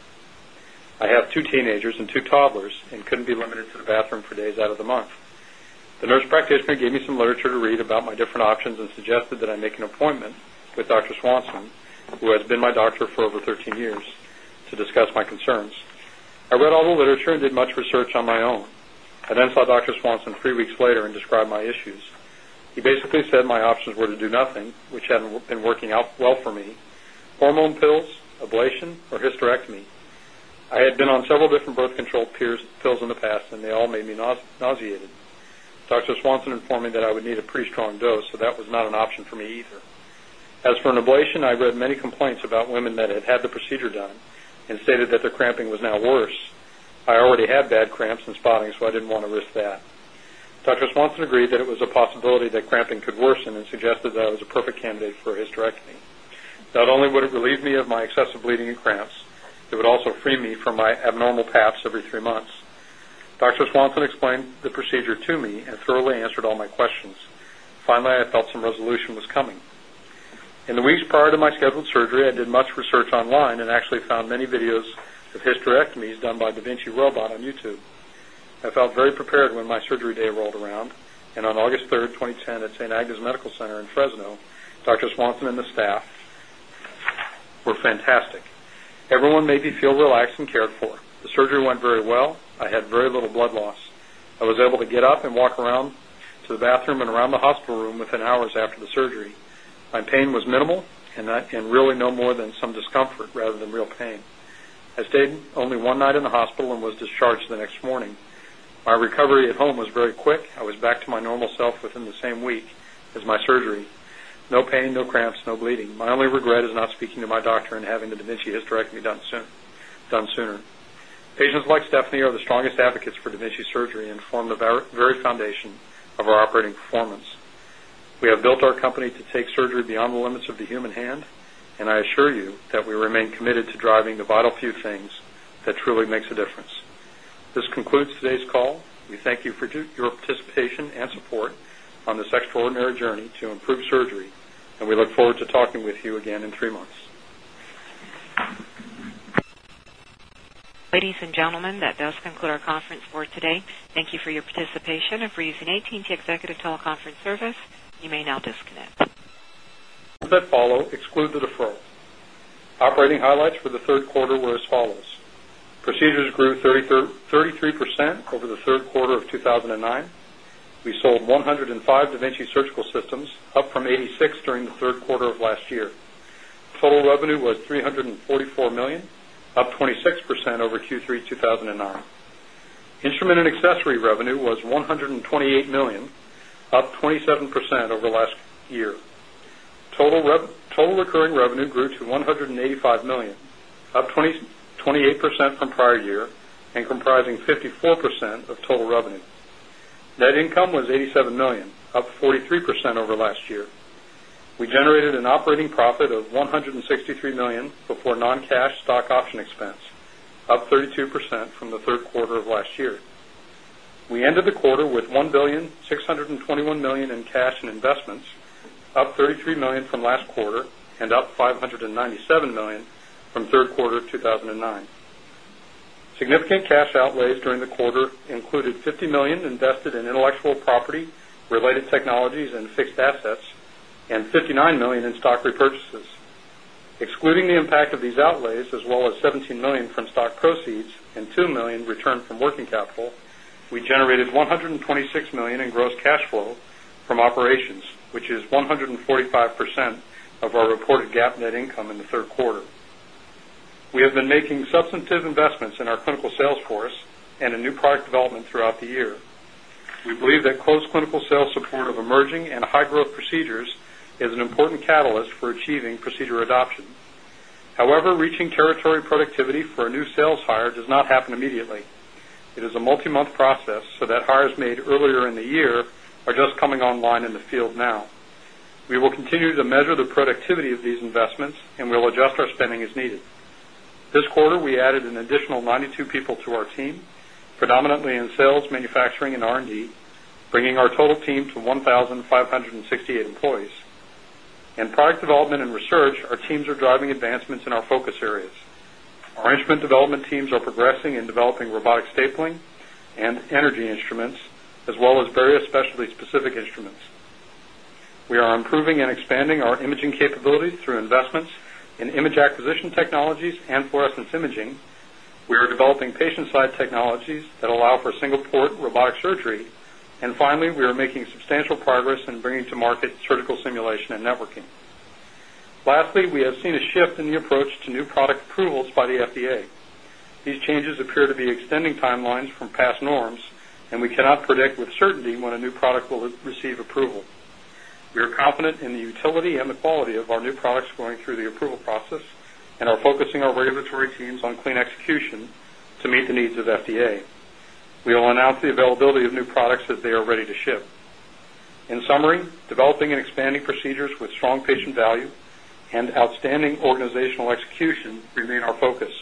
I have 2 teenagers and 2 toddlers and couldn't limited to the bathroom for days out of the month. The nurse practitioner gave me some literature to read about my different options and suggested that I make an appointment with Doctor. Swanson, who has been my doctor for over 13 years, to discuss my concerns. I read all the literature and did much research on my own. I then saw doctor swanson 3 weeks later and describe my issues. He basically said my options were to do nothing, which had been working out well for me, hormone pills, a blade or hysterectomy. I had been on several different birth control peers pills in the past, and they all made me no nauseated. In informing that I would need a pretty strong dose, so that was not an option for me either. As for an ablation, I read many complaints about women that had had the procedure done and that the cramping was now worse. I already had bad cramps in spotting, so I didn't wanna risk that. Doctor Swanson agreed that it was a possibility that cramping could worsen and suggested that as a perfect candidate for his direct knee. Not only would it relieve me of my excessive bleeding and cramps, it would also free me from my abnormal apps every 3 months. Doctor Swanson explained the procedure to me and thoroughly answered all my questions. Finally, I felt some was coming. In the weeks prior to my scheduled surgery, I did much research online and actually found many videos of hysterectomy done Davinci Robot on YouTube. I felt very prepared when my surgery day rolled around. And on August 3 2010, at St. Agnes Medical center in Fresno, Doctor. Swanson and the staff were fantastic. Everyone may be feel relaxed and cared for. This surgery went very well. I had very little blood loss. I was able to get up and walk around to the bathroom and around the hospital room within hours after the surgery. My pain was minimal, and the and really no more than some discomfort rather than real pain. As David only 1 night in the hospital and was discharged the next morning, we recovery at home was very quick. I was back to my normal self within the same week as my surgery. No pain, no cramps, no bleeding. My only regret is not speaking to my doctor and having is directly done soon done sooner. Patients like Stephanie are the strongest advocates for dementia surgery and form the very found of our committed to driving the vital few things that truly makes a difference. This concludes today's call. We thank you for your participation and support on this forward in our journey to improve surgery, and we look forward to talking with you again in 3 months. Ladies and gentlemen, that does conclude our conference for today. Thank you for your participation and for using AT and T Executive Teleconference Service. You may now disconnect. Does that follow exclude the deferral? Operating highlights for the third quarter were as follows. Proceedors grew 33 33% over the third quarter of 2009. We sold 105 da Vinci surgical systems, up from 86 during third quarter of last year. Total revenue was $344,000,000, up 26% over Q3 2009. Instrument and accessory revenue was 128,000,000, up 27% over the last year. Total rev total recurring revenue to $185,000,000, up 28% from prior year and comprising 54% of total revenue. Net income was $87,000,000, up 43 percent over last year. We generated an operating profit of $163,000,000 before non cash stock option expense, up 22% from the third quarter of last year. We ended the quarter with 1,621,000,000 in cash and investments, up 33,000,000 from last quarter and up $597,000,000 from 3rd quarter 20 quarter included $50,000,000 invested in intellectual property related technologies and fixed assets and $59,000,000 in stock purchases. Excluding the impact of these outlays, as well as $17,000,000 from stock proceeds and $2,000,000 returned from working capital, we turn 1,000,000 in the third quarter. We have been making substantive investments in support of emerging and high growth procedures as an important catalyst for achieving procedure adoption. However, reaching the year are just coming online in the field now. We will continue to measure the productivity of these investments and we will adjust our expanding is needed. This quarter, we added an additional ninety two people to our team, predominantly in sales, manufacturing, and R and D, bringing our total team to 1 1568 employees. And product development and research, our teams are driving advancements in our focus areas. Our development teams are progressing and developing robotics stapling and energy instruments, as well as various specialty specific instruments. Are improving and expanding our imaging capability through investments in Image Acquisition Technologies And Fore Essence Imaging, are developing patient side technologies that allow for single port robotic surgery. And finally, we are making substantial progress in bringing to Mark surgical simulation and networking. Lastly, we have seen a shift in the approach to new product approvals by the FDA. These change appear to be extending and the quality of our new products going through the approval process and are focusing our regulatory teams on clean execution to meet the needs of FDA We will announce the availability of new products that they are ready to ship. In summary, developing and expanding procedures with strong value and outstanding organizational execution remain our focus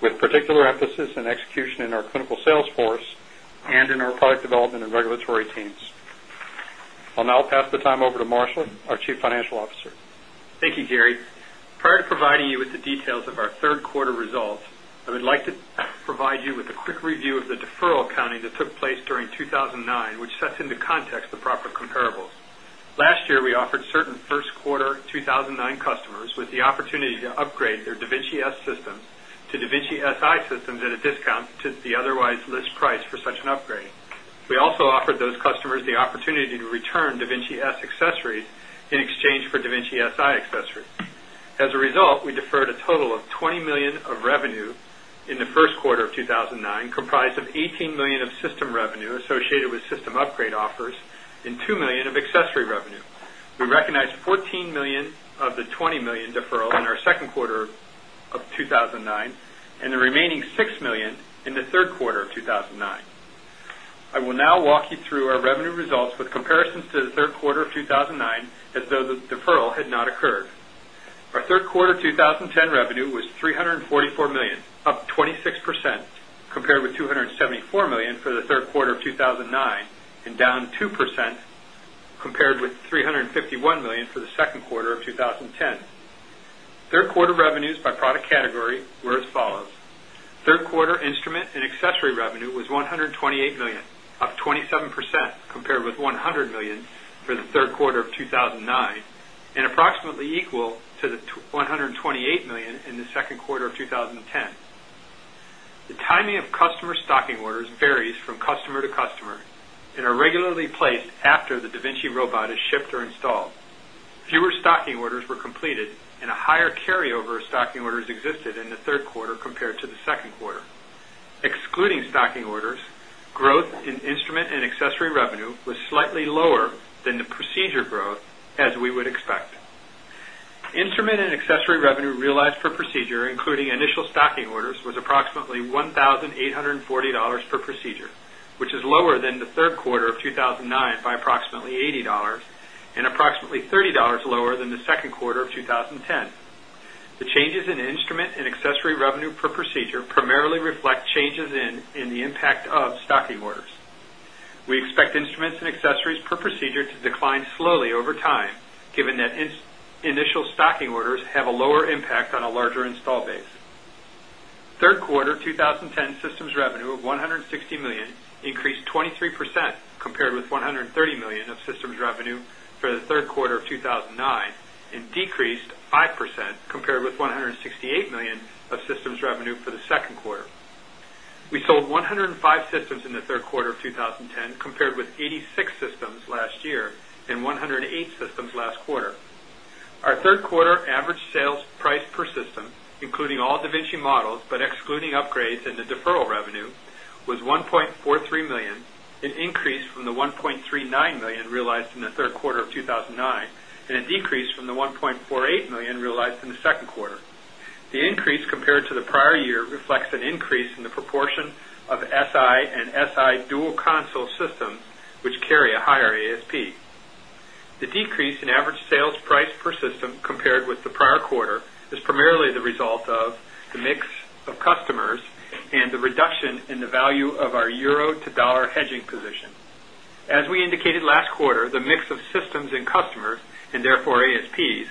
with particular emphasis and execution in clinical sales force and in our product development and regulatory teams. I'll now pass the time over to Marshall, our Chief Financial Officer. Thank you, Gary. Prior to providing you with the details of our 3rd quarter results, I would like to provide you with a quick review of the deferral county VIXI systems to da Vinci systems at a discount to the otherwise list price for such an upgrade. We also offered those customers the opportunity to return Da Vinci S accessory in exchange for Da Vinci S I accessory. As a result, we deferred a total of $20,000,000 of revenue in the first quarter of 2019 comprised of 18,000,000 of system revenue associated with system upgrade offers and 2,000,000 of industry revenue. We recognized 14,000,000 quarter of 2009. I will now walk you through our not occurred. Our third quarter 2010 revenue was $344,000,000, up 26% compared with 74,000,000 for the third quarter of 2009 and down 2% compared with 351,000,000 for the second quarter of 2010. Quarter revenues by product category were as follows. 3rd quarter instrument and accessory revenue was $128,000,000, up 27% compared was 100,000,000 quarter of 2010. The to the second procedure growth as we would expect. Instrument and accessory revenue realized for procedure, including initial stocking orders, was approximately $1840 procedure, which is lower than the third quarter of 2019 by approximately $80 and approximately $30 lower than the in quarter of 2010. The changes in instrument and accessory revenue per procedure primarily reflect changes in the impact stocky orders. We expect instruments and accessories per procedure to decline slowly over time given that initial stocking orders have a lower impact on a larger installed base. 3rd quarter 2010 systems revenue of 160,000,000 increased 23 dollars compared with $130,000,000 of systems revenue for the third quarter of 2019 and decreased 5% compared with 160 $1,000,000 of systems revenue for the 2nd quarter. We sold 105 systems in the third quarter of 2010 compared with 6 systems last year and 108 systems last quarter. Our 3rd quarter average sales price per system in including all da Vinci models, but excluding upgrades and the deferral revenue was $1,430,000, an increase from the one point $39,000,000 realized in the third quarter of 2009 and a decrease from the $1,480,000 realized in the 2nd quarter. The increase compared to prior year reflects an increase The decrease in average sales price per system compared with the prior quarter is primarily the result of the mix of customers and the reduction in the value of our euro to dollar hedging position. As we indicated last quarter, the mix of systems and customers and therefore ASP ease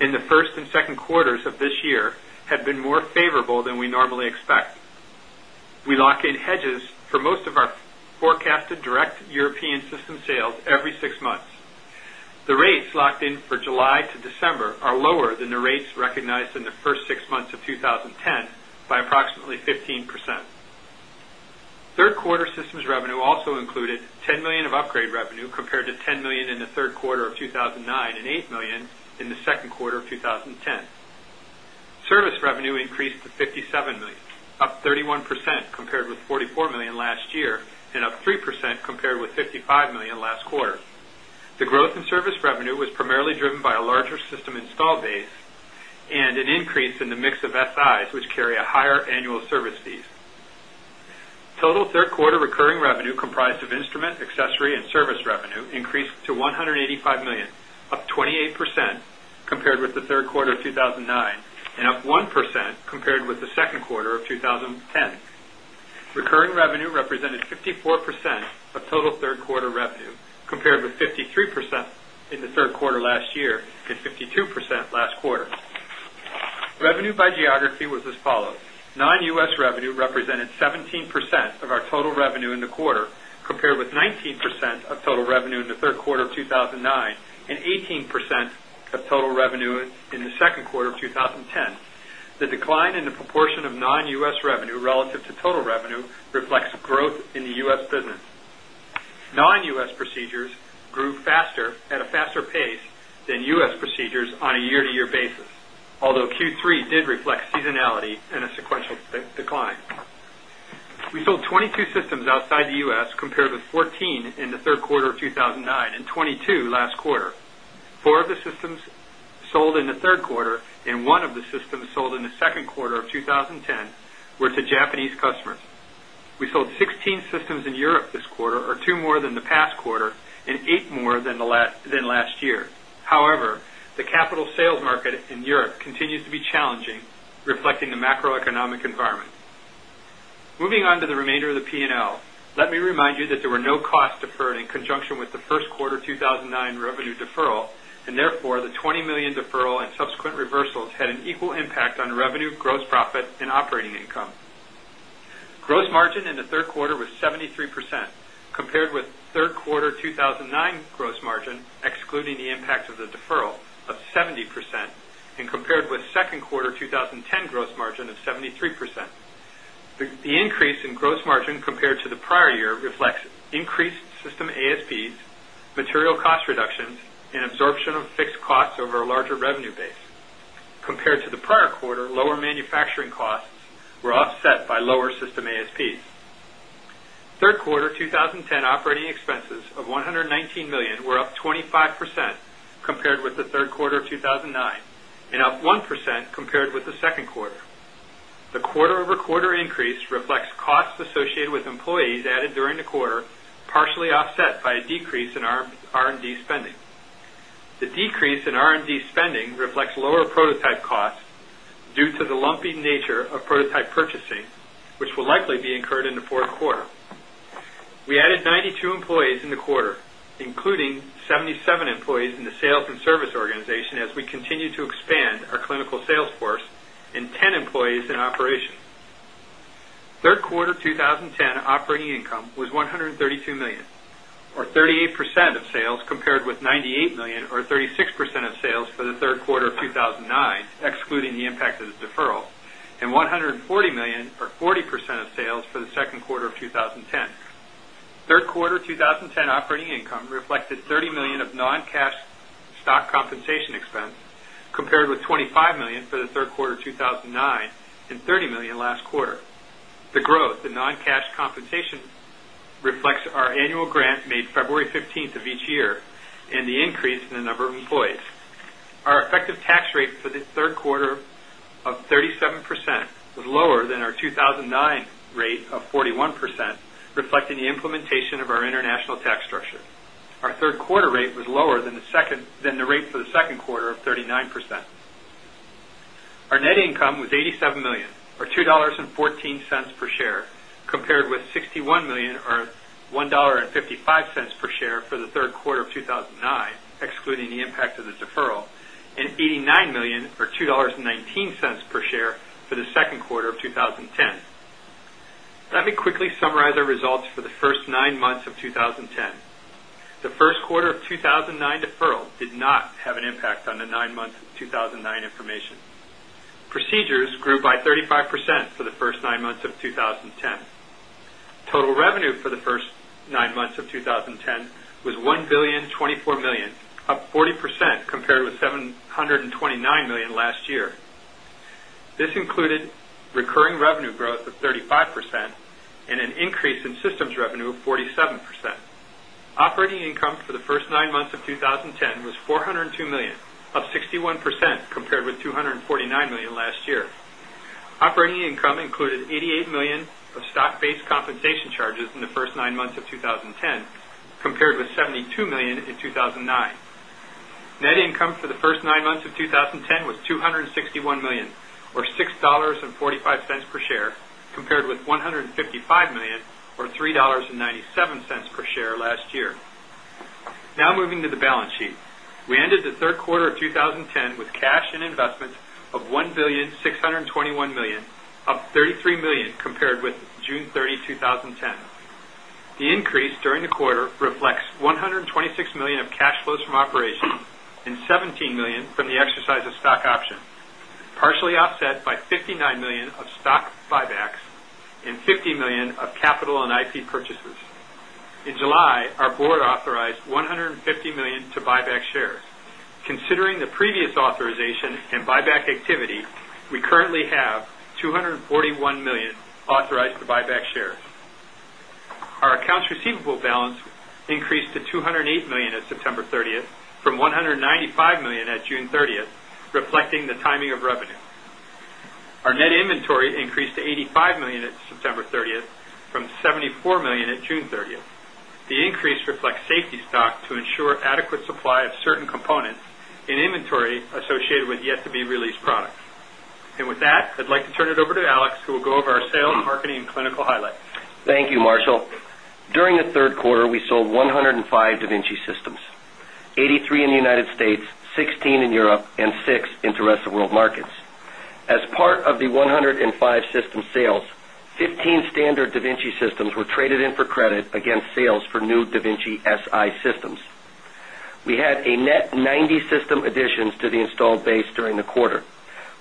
in the First And Second quarters of this year had been more favorable than we normally expect. We lock in hedges for most of our four after direct European system sales every 6 months. The rates locked in for July to December are lower than the rates recognized in the 1st 6 months of 20 by approximately 15%. 3rd quarter systems revenue also included 10,000,000 of upgrade revenue compared to 10,000,000 to 57,000,000, up 31% compared with 44,000,000 last year and up 3% compared with 55,000,000 last quarter. The growth in the quarter recurring revenue comprised of instrument, accessory, and service revenue increased to 185,000,000 3rd quarter of 2000 represented 54% of total 3rd quarter revenue compared with 53% in the 3rd quarter last year and 52% last quarter Revenue by geography was as follows. Non U. S. Revenue represented 17% of our total revenue in the quarter compared with 19% of total revenue in the third quarter of 2019 18% of total revenue in the second quarter of 20 10. The decline in the proportion of non US revenue relative to total revenue reflects growth in the US business. Non S. Procedures grew faster at a faster pace than US procedures on a year to time. We sold 22 systems outside the U. S. Compared with 14 in third quarter of 2009 22 last quarter. 4 of the systems Japanese customers. We sold 16 systems in Europe this quarter or 2 more than the past quarter and 8 more than the last year. However, the capital sales market in Europe continues to be challenging, reflecting the macroeconomic environment. Moving on to the remainder of the P and L, let me remind you that there were no loss deferred in conjunction with the first quarter 2019 revenue deferral, and therefore, the $20,000,000 deferral and subsequent reversals an equal impact on revenue, gross profit, and operating income. Gross margin in the third quarter was 73% compared with 3rd quarter 1009 gross margin, excluding the impact of the deferral of 70% and compared with 2nd quarter 2010 gross margin of 73%. The increase in gross margin compared to the prior year reflects increased system ASPs, material cost reductions and absorption of fixed costs over a larger revenue base compared to the prior quarter, lower manufacturing costs were offset by lower system ASPs. 3rd quarter 2 2010 operating expenses of $119,000,000 were up 25% compared with the third quarter of 2009 and up 1% with the second quarter. The quarter over quarter increase reflects costs associated with employees added during the quarter, partially offset by a decrease in r R and D spending. The decrease in R and D spending reflects lower prototype costs due to the lumpy nature of prototype prototype purchasing, which will likely be incurred in the 4th quarter. We added 92 employees in the quarter, including 70 7 employees in the sales and service organization as we continue to expand our clinical sales force and 10 employees in operation. 3rd quarter 20 operating income was $132,000,000 or 38 percent of sales compared with 98,000,000 or 36 percent of sales for the third quarter of 1009, excluding the impact of the deferral, and 140,000,000 or 40 percent of sales for the second quarter of 2010. 3rd quarter 2010 operating income reflected $30,000,000 of non cash stock compensation expense compared with $25,000,000 for the third quarter 20 9,030,000,000 last quarter. The growth in non cash compensation reflects our annual grant made February 15th each year and the in the number of employees. Our effective tax rate for the third quarter of 37 percent was lower than our 2009 rate of 41%, reflecting the implementation of our international tax structure. Our 3rd quarter rate was lower than the second than the rate for the second of 39%. Our net income was 87,000,000 or $2.14 per share compared with 61,000,000 or $1.55 per share for the third quarter of 2009, excluding the impact of and $89,000,000 or $2.19 per share for the second quarter of 2010. Let me quickly summarize our results for the 1st 9 months of 2010. The first quarter of 2009 deferral did not have an impact on the 9 months of 2009 information. Procedures grew by 35% for the 1st 9 months of 2010. Total revenue for the 1st 9 months of 2010 up 40% compared with $729,000,000 last year. This included recurring revenue growth of 35 in systems revenue of 47%. Operating income for the 1st 9 months of 61% compared with 249,000,000 last year. Operating income included 88,000,000 of stock based compensation charges in the first months of 2010 compared with 72,000,000 in 2009. Net income for the 1st 9 months of 2010 was 261,000,000 or 6 dollars 45¢ per share compared with 155,000,000 or $3.97 per share last year. Moving to the balance sheet, we ended 32,010. 17,000,000 from the exercise of stock option, partially offset by 59,000,000 of stock buybacks and 50,000,000 of capital and IP purchases In July, our board authorized 150,000,000 to buyback shares. Considering the previous authorization and buyback activity, we currently have 241,000,000 authorized to buy back shares. Our accounts receivable balance increased to 208 at September 30th from 195,000,000 at June 30th, reflecting the timing of revenue. Our net inventory increased $85,000,000 at September 30th from $74,000,000 at June 30th. The increase reflects safety stock to ensure adequate supply of certain components associated with yet to be released products. And with that, I'd like to turn it over to Alex who will go over our sales, marketing, and clinical highlights. Thank you, Marshall. During third quarter, we sold 105 Da Vinci systems, 83 in the United States, 16 in Europe, and 6 in the rest of the world markets. As part of the and 5 system sales, 15 standard da Vinci systems were traded in for credit against sales for new da Vinci system additions to the installed base during the quarter,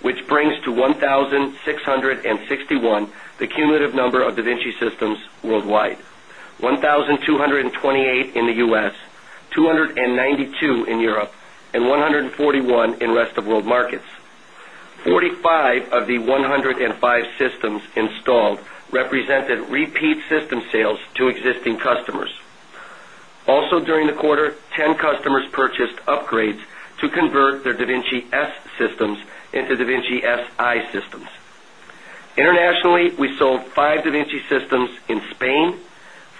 which brings to 1661 the cumulative number of da Vinci systems worldwide. We 1228 in the U. S, 292 in Europe and 141 in rest of world markets. 45 of the 105 systems installed represented repeat system sales to existing customers. Also during the quarter, 10 customers purchased upgrades to convert their da Vinci S systems into da Vinci S I systems. Internationally, we sold 5 da Vinci systems in Spain,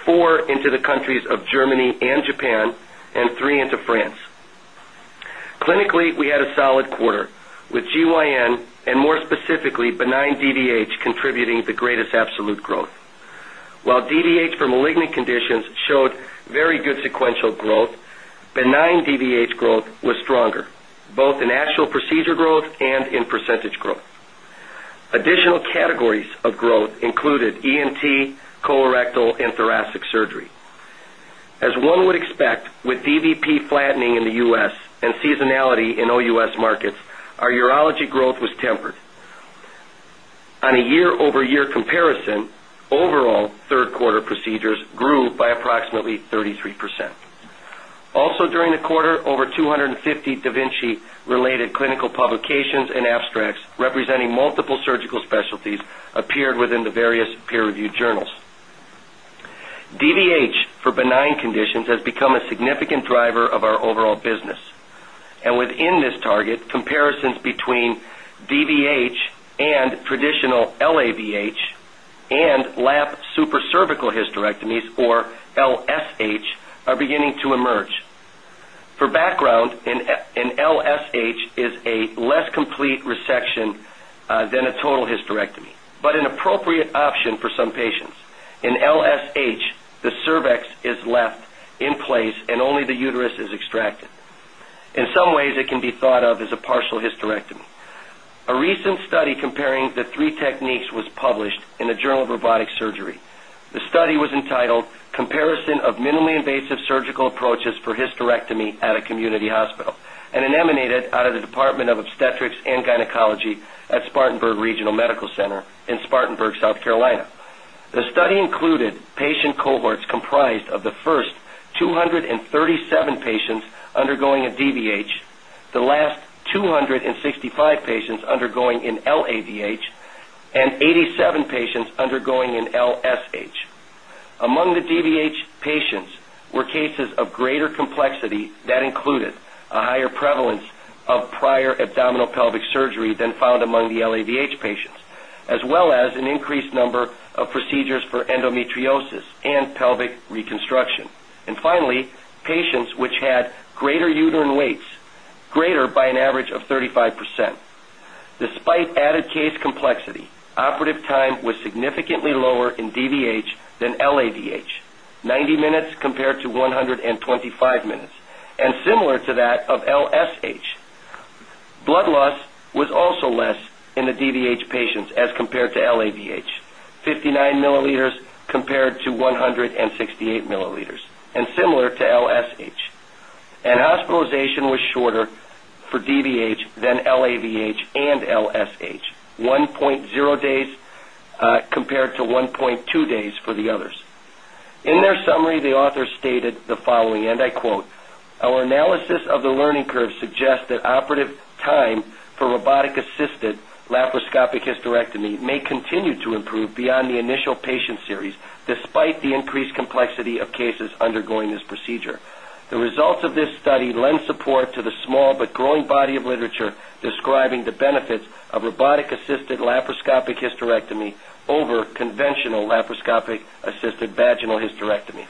4 into the countries of Germany and Japan and 3 into France. We had a solid malignant conditions showed very good sequential percentage growth. Additional categories of growth included ENT, colorectal, and thoracic surgery. As one would expect with EVP flattening in the efforts. On a year over year comparison, overall third quarter procedures grew by approximately 30 3%. Also during the quarter, over 250 Da Vinci related clinical publications and abstracts representing multiple driver of and lap supraservical hysterectomies or LSH are beginning to emerge. For background in LSH is a less complete resection than a total hysterectomy, but an appropriate option for some pay In LSH, the cervix is left in place and only the uterus is extracted. In some ways it can be thought of as a par hysterectomy. A recent study comparing the 3 techniques was published in the journal of robotic surgery. The study was entitled comparison of minimally invasive surgical approaches for hysterectomy at a community hospital and eliminated out of the Department of Obstetrics And Gynecology as Spartenberg Regional Medical Center in Spartanburg, South Carolina. The study included patient cohorts comprised of the first two 37 patients undergoing a DVH, the last 265 patients undergoing in LADH and 87 patients undergoing in LSH. Among the number of of 35%. Despite added case complexity, operative time was significantly lower in DVH than L ADH, 90 minutes compared to 125 minutes and similar to that of LSH. Blood loss was also less in the CVH patients as compared to LAVH, 59 milliliters compared to 168 milliliters. Similar to LSH. And hospitalization was shorter for DVH than LAVH and LSH 1.0 day compared to 1.2 days for the others. In their summary, the author stated the following, and I Our analysis of the learning curve suggest that operative time for robotic assisted laparoscopic directly may continue to improve beyond the initial patient series despite the increased complexity of cases undergoing this procedure. There is of this study lends support to the small but growing body of literature describing the benefits of robotic assisted laparoscopic hysterectomy over conventional laparoscopic assisted vaginal hysterectomy.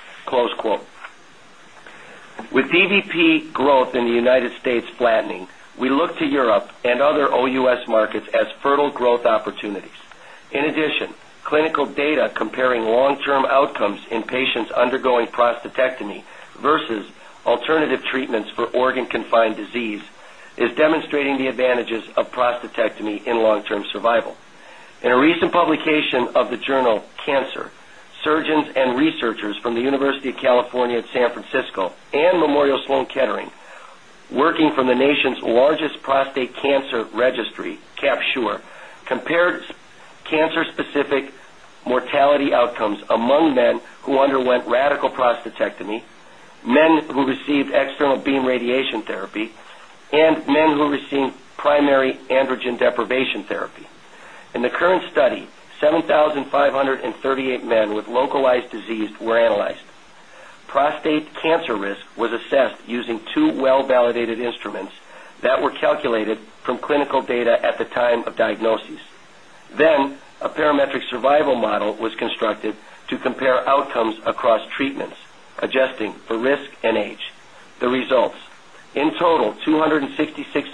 With EVP growth in the United States flattening, we look Europe and other OUS markets as fertile growth opportunities. In addition, clinical data comparing long term outcomes in patients going prostatectomy versus alternative treatments for organ confined disease is demonstrating the advantages prostatectomy in long term survival. In a recent publication of the Journal Cancer, surgeons and researchers from the University of in San Francisco and Memorial Sloan Kettering, working from the nation's largest prostate cancer registry, CAPTURE, compared to cancer specific mortality outcomes among men who underwent radical prostatectomy, men who received external beam radiation therapy and men who received primary androgen deprivation therapy. In the current study, 7538 with localized disease were analyzed. Prostate cancer risk was assessed using 2 well validated instruments that were calculated from clinical data the and age. The results in total, 266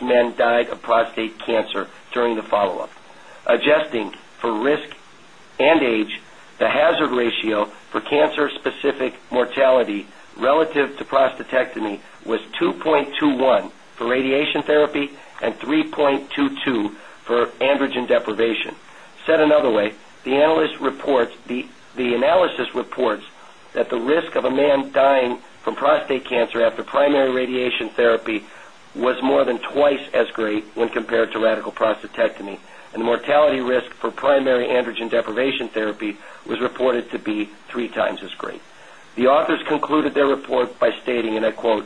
adjusting for risk and age to hazard ratio for cancer specific mortality relative to prostatectomy was 2.21 for radiation therapy and 3.22 for androgen deprivation. Another way, the analyst reports, the the analysis reports that the risk of a man dying from prostate cancer after primary radiation therapy was more than twice as great when compared to radical prostatectomy and mortality affirmation therapy was reported to be 3 times as great. The authors concluded their report by stating, and I quote,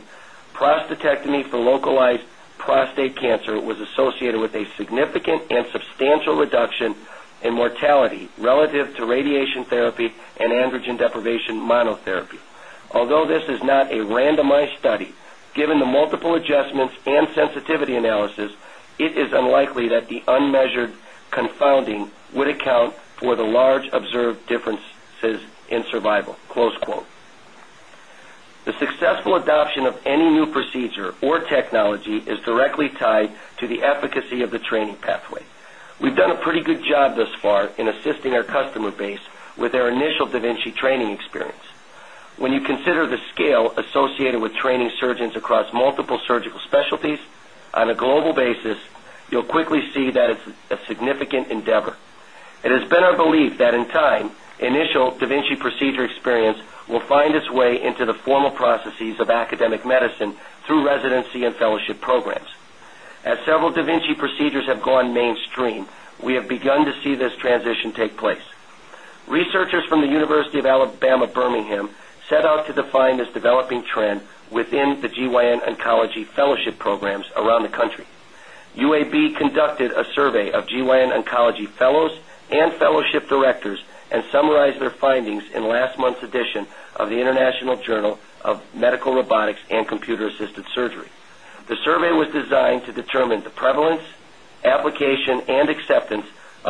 prostatectomy for localized, 8 cancer was associated with a significant and substantial reduction in mortality relative to radiation therapy and androgen deprivation monotherapy. Although this is measured confounding would account for the large observed differences in survival. The successful adoption of customer base with their initial da Vinci training experience. When you consider the scale associated with training surgeon across multiple surgical specialties on a global basis, you will quickly see that it's a significant endeavor. It has been our belief in time, initial da Vinci procedure experience will find its way into the formal processes of academic medicine through residency in fellowship programs. As several da Vinci procedures have gone mainstream, we have begun to see this transition take place. Researchers from the University of BAMA Birmingham set out to define as developing trend within the GYN Oncology fellowship programs around the country. UAB conducted a survey of GYN Oncology fellows and fellowship directors and summarize their findings in last month's edition of the International of medical robotics and computer assisted surgery.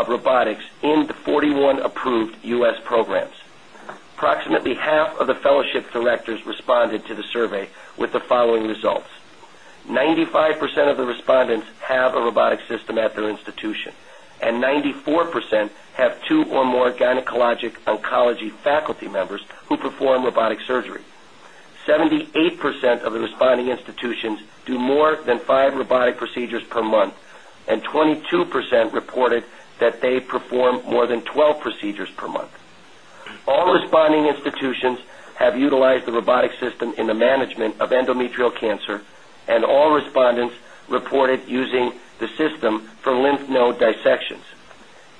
Products in the 41 approved U. S. Programs. Approximately half of the fellowship directors responded to the survey with the following have 2 or more gynecologic oncology faculty members who perform robotic surgery. 78% of responding institutions do more than 5 robotic procedures per month and 22% reported that they perform more than 12 procedures per month. All responding institutions have utilized the robotic system in the management of endometrial cancer and all respondents reported using the system for lymph node dissections.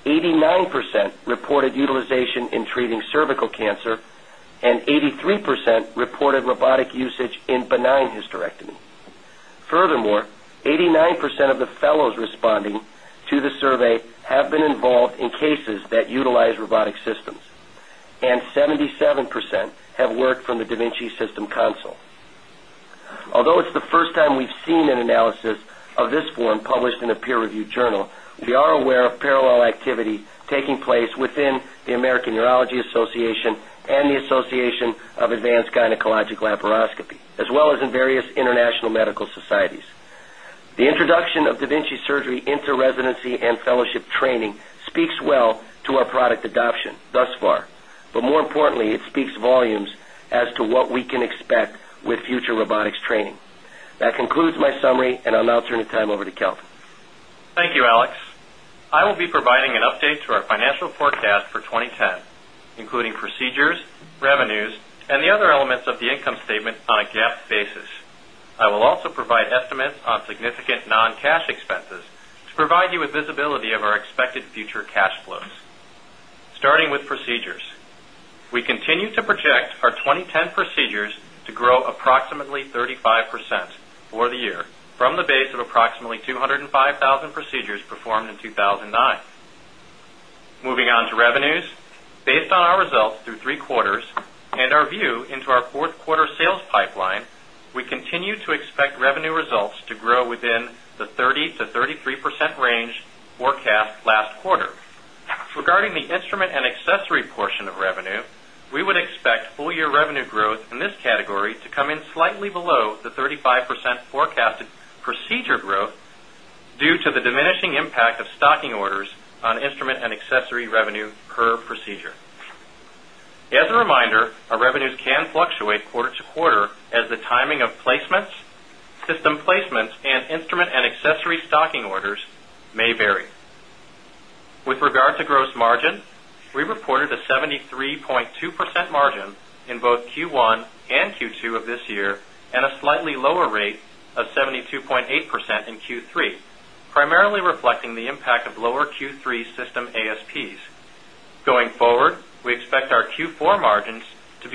89% reported utilization in tree in of the fellows responding Davinci System Council. Although it's the first time we've seen an analysis of this form published in the peer review journal, we are aware of parallel activity taking place within the American Urology Association and the Association of Advanced Gynecological laparoscopy, as well as in various international medical 90s. The introduction of da Vinci Surgery into residency and fellowship training speaks well to our product adoption thus far, but more importantly, it speaks volumes as to what we can expect with future robotics and I'll now turn the time over to Kelk. Thank you, Alex. I will be providing an update to our financial forecast for 2010, including procedure revenues and the other elements of the income statement on a GAAP basis. I will also provide estimates on significant non cash expenses for provide you with visibility of our expected future cash flows. Starting with procedures, we continue to project our 20 10 procedures to grow approximately 35% for the year from the base of approximately 205,000 procedures performed in 2009. Moving on to revenues. Based on our results through 3 quarters and our view into our 4th that range forecast last quarter. Regarding the instrument and accessory portion of revenue, we would expect full year revenue growth in this category to in slightly below the 35 percent forecasted procedure growth due to the diminishing impact of stocking and accessory placements and instrument and accessory stocking orders may vary. With regard to gross margin, we reported a 73.2 percent in Q3, primarily reflecting the impact of lower Q3 system ASPs. Going forward, we expect our Q4 margins to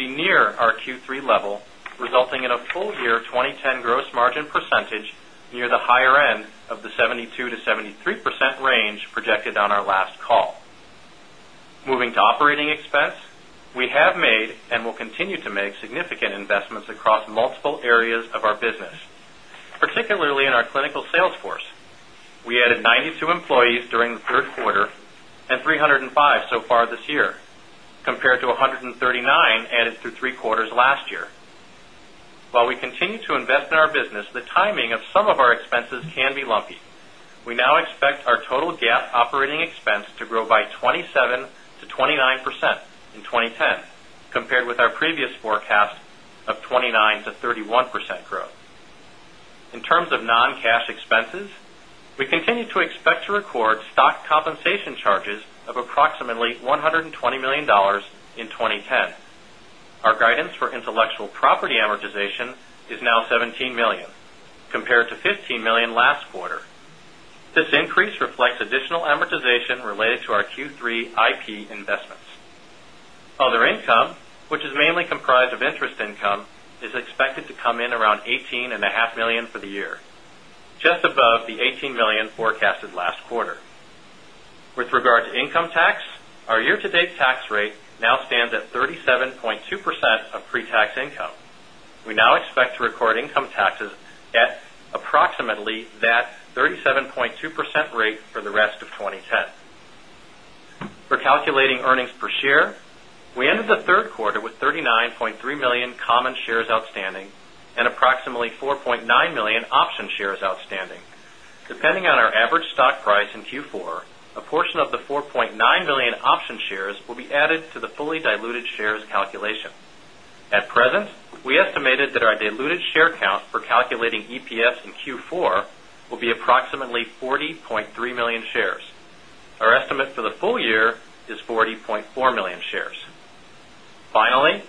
73% range projected on our last call. Moving to operating expense, we have made and will continue to make significant investments across multiple areas of our business, particularly in our clinical sales force. We added 92 employees during the third quarter 305 so far this year compared to a 139 added through 3 quarters last year. While we to invest in our business the timing of some of our expenses can be lumpy. We now expect our total gas operating expense to grew by 27 to 29% in 2010 compared with our previous forecast of 29 to 31% growth. In terms of non cash expenses, we continue to expect to record stock compensation charges of approximately $120,000,000 in 2010. Guidance for intellectual property amortization is now 17,000,000 compared to 15,000,000 last quarter. Increase reflects additional amortization related price of interest income is expected to come in around 18,500,000 for the year. Just above the 18,000,000 forecast dollars. Record income taxes at approximately that 37.2 percent rate for the rest of 2010. For calculating earnings per share, we ended the 3rd quarter with 39,300,000 common shares outstanding and approximately 4 point 9,000,000 option shares outstanding. Depending on our average stock price in Q4, a portion of the 4,900,000 option shares be added to the fully diluted shares calculation. At present, we estimated that our diluted share count for calculating EPS in Q4 will be approximately 40.3000000 shares. Our estimate for the full year is 40,400,000 shares. Finally,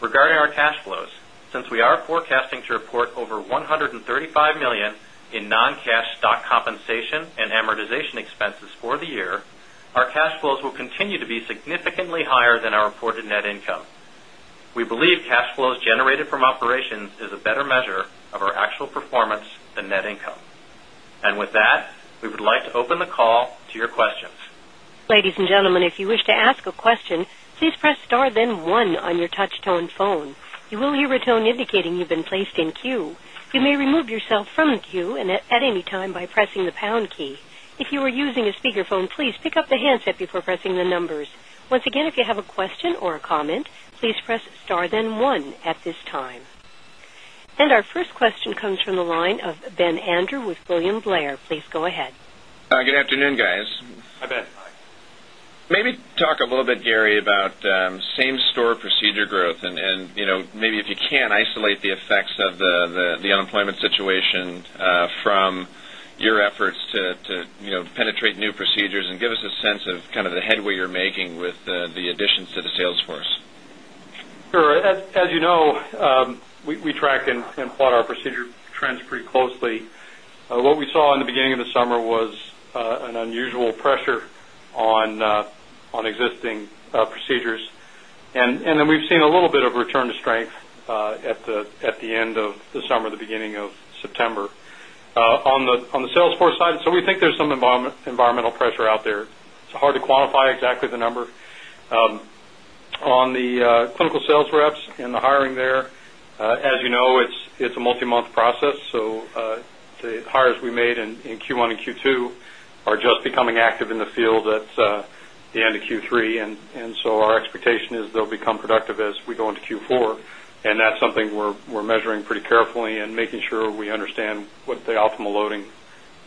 regarding our cash flows, since we are forecasting to report over 135,000,000 in non cash stock compensation and amortization expenses for the year, cash flows will continue to be significantly higher than our reported net income. Or measure of our actual performance than net income. And with that, we would like to open the call to your questions. You. And our first question comes from the line of Ben Andrew with William Blair. Please go ahead. Maybe talk a little bit Gary about same store procedure growth and maybe if you can't isolate the effects of the unemployment situation from your efforts to penetrate new and give us a sense of kind of the headway you're making with the additions to the Salesforce? Sure. As you know, we we track and and plot our procedure trends pretty closely. What we saw in the beginning of the summer was an unusual pressure on, on existing procedure And then we've seen a little bit of return to strength, at the end of the summer, the beginning of September, on the force side. So we think there's some environmental pressure out there. It's hard to quantify exactly the number. On the the in the field at the end of Q3. And so our expectation is they'll become productive as we go into Q4. And that's something we're measuring pretty carefully and making sure we understand what the optimal loading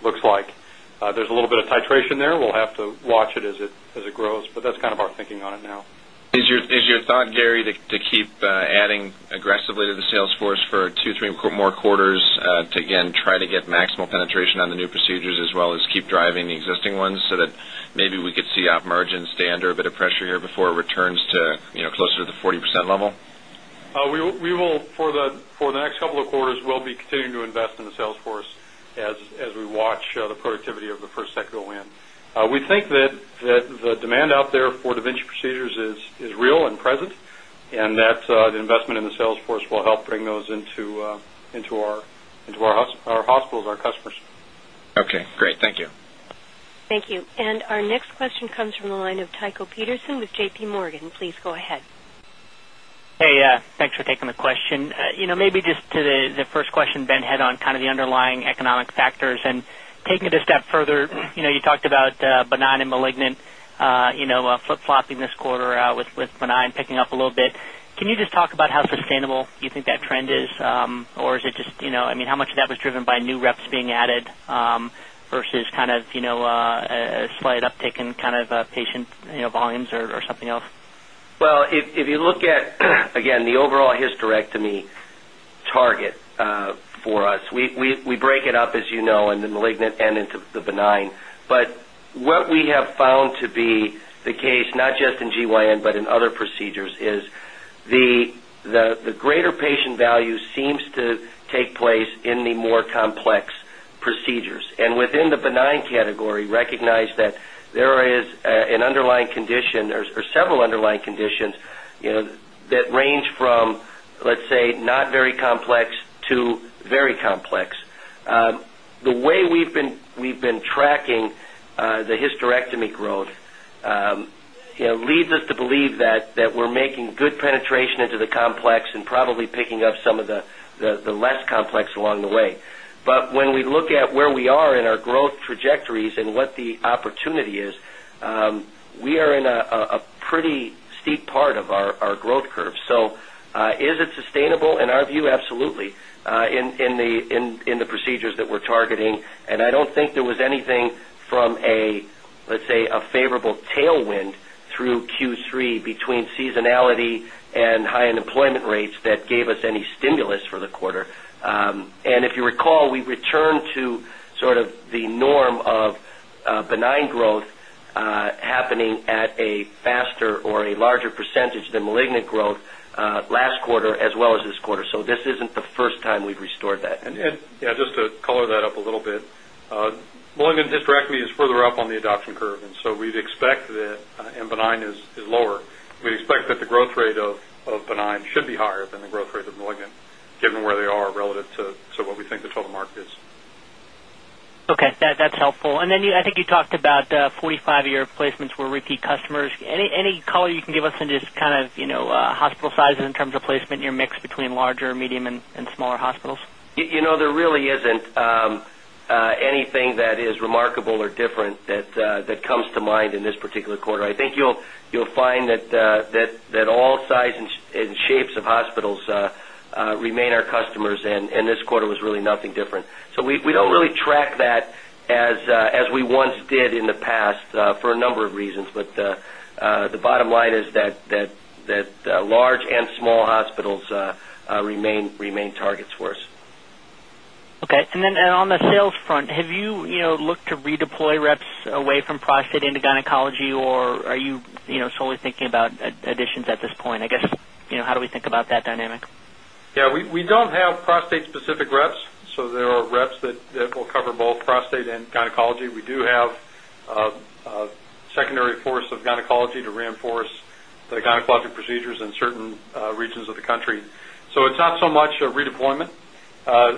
looks like. There's a little bit of titration there. We'll have to watch as it grows, but that's kind of our thinking on it now. Is your is your thought Gary to keep adding aggressively to the sales force for 2, 3 more quarters to again try to get maximal penetration on the new procedures as well as keep driving the existing ones so that maybe we could see op margins stay under a bit of pressure here before it returns closer to the 40% level? We will for the next couple of quarters, we'll be continuing to invest in the sales force as we watch the activity of the first set go in. We think that the demand out there for da Vinci procedures is real and present and that, the investment in the sales force will help bring those into, into our into our house our hospitals, our customers. Okay. Great. Thank you. Thank you. And our next question comes from the line of Michael Peterson with JP Morgan. Please go ahead. Hey, thanks for taking the question. Maybe just to the first question Ben had on kind of the underlying economic factors. And taking it a step further, you talked about benign and malignant, you know, flip flopping this quarter with benign picking up a little bit. Can you just about how sustainable you think that trend is, or is it just, you know, I mean, how much of that was driven by new reps being added, versus kind of, you know, a slight taken kind of a patient volumes or something else? Well, if you look at, again, the overall hysterectomy target us. We break it up as you know and then malignant and into the benign. But what we have found to be the case, not just in GYN in other procedures is the greater patient value seems to take place in the more complex procedures. And within the benign category, recognize that there is an underlying condition or several underlying conditions that range from, let's say, not very complex to very complex. The way we've been tracking, the history to me growth. It leads us to believe that we're making good penetration into the complex and probably pick of some of the less complex along the way. But when we look at where we are in our growth trajectories and what the opportunity We are in a pretty steep part of our growth curve. So, is it sustainable in our view? Absolutely, in in the procedures that we're targeting. And I don't think there was anything from a, let's say, a favorable tailwind through Q3 between seasonality and high unemployment rates that gave us any stimulus we returned to sort of the the malignant growth last quarter as well as this quarter. So this isn't the first time we've restored that. And just to color that up a little bit. Willingness to distract me is further up on the adoption curve. And so we'd expect that, M benign is lower. We'd expect that the growth rate of of 9 should be higher than the growth rate of Milligan given where they are relative to to what we think the total market is. Okay. That that's And then I think you talked about 45 year placements for repeat customers. Any color you can give us on just kind of hospital size in terms of placement mix between larger, medium, and smaller hospitals? You know, there really isn't, anything that is remarkable or different that to mind in this particular quarter. I think you'll find that all sizes and shapes of hospitals remain our customers this quarter was really nothing different. So, we don't really track that as we once did in the past for a of reasons, but the bottom line is that that that large and small hospitals remain remain targets for us. Okay. And then on the sales front, have you looked to redeploy reps away from prostate into gynecology or are you solely thinking about addition at this point. I guess, you know, how do we think about that dynamic? Yeah. We we don't have prostate specific reps, so there are reps that that will cover both prostate and and oncology, we do have a secondary force of gynecology to reinforce the gynecologic procedures in certain regions of the country. So it's up much, redeployment.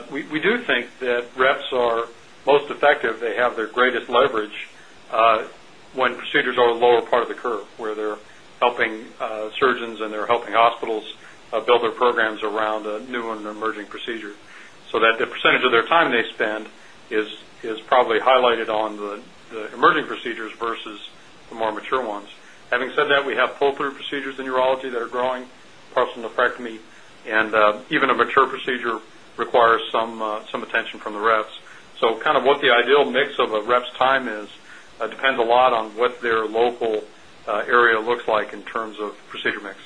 We do think that reps are most effective. They have their greatest leverage, when procedures are part of the curve where they're helping, surgeons and they're helping hospitals build their programs around a new and emerging procedure. So that the percentage of their time, they end is is probably highlighted on the the emerging procedures versus the more mature ones. Having said that, we pull through procedures in urology that are growing, partial nephrectomy, and, even a mature procedure requires some, some attention from the reps. So kind of what the ideal mix a rep's time is depends a lot on what their local, area looks like in terms of procedure mix.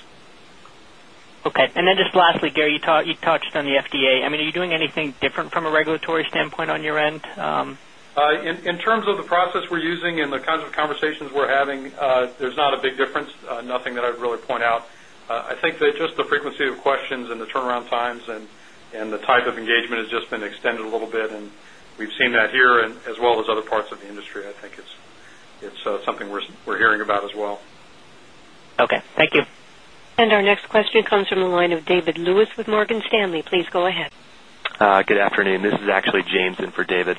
And then just lastly, Gary, you touched on the FDA. I mean, are you doing anything different from a regulatory standpoint on your end? Terms of the process we're using and the conversations we're having, there's not a big difference. Nothing that I'd really point out. I think that just the consecutive questions and the turnaround times and the type of engagement has just been extended a little bit. And we've seen that here and as well as other parts of the industry. I think it's, it's something we're we're hearing about as well. And our next question comes from the line of David Lewis with Morgan Stanley. This is actually James in for David.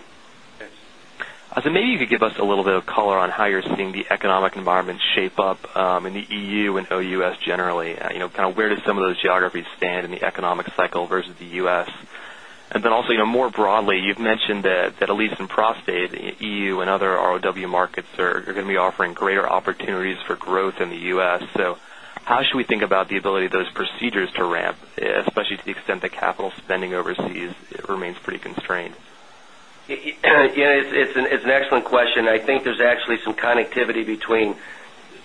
So maybe you could give us a little bit of color on how you're seeing the economic environment shape up in the EU and OUS generally, kind of where do some of those geographies stand in the economic cycle versus the US? And then also more broadly, you've mentioned that at least in prostate, EU and other ROW markets are going to be offering greater opportunities for growth in the U. S. So how should think about the ability of those procedures to ramp, especially to the extent that capital spending overseas remains pretty constrained? It's an excellent question. I think there's actually some connectivity between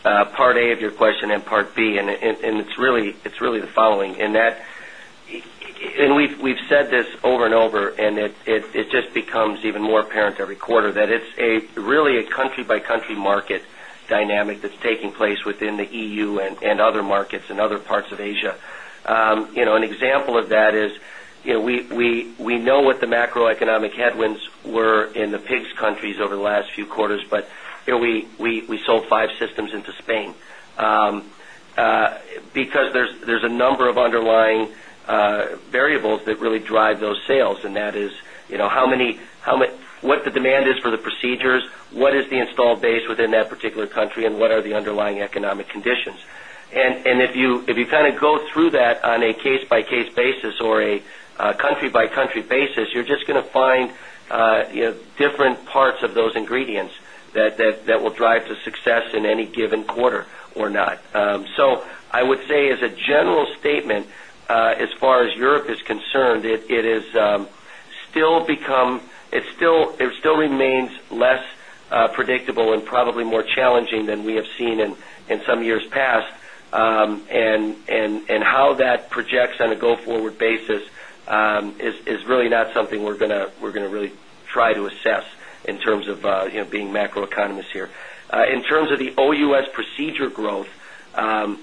Part A of your question and Part B and it's really the following in that and we've said this over and over and it just becomes even more apparent every quarter that it's really a country by country market dynamic that's taking place within the EU and other markets in other parts of Asia. You know, an example of that is we know what the macroeconomic headwinds were in the pigs countries over the last few orders, but we sold 5 systems into Spain. Because there's a number of underlying variables that really drive those conditions. And if you kind of go through that on a case by case basis or a country by country basis, just going to find different parts of those ingredients that will drive to success in any given quarter or not. So, I would say as a general statement, as far as Europe is concerned, it it still remains less predictable and probably more challenging than we have seen in some years past, and how that projects on a go forward basis is really not something we're going to really try to assess in terms of being macro economists here. In terms of the OUS procedure growth,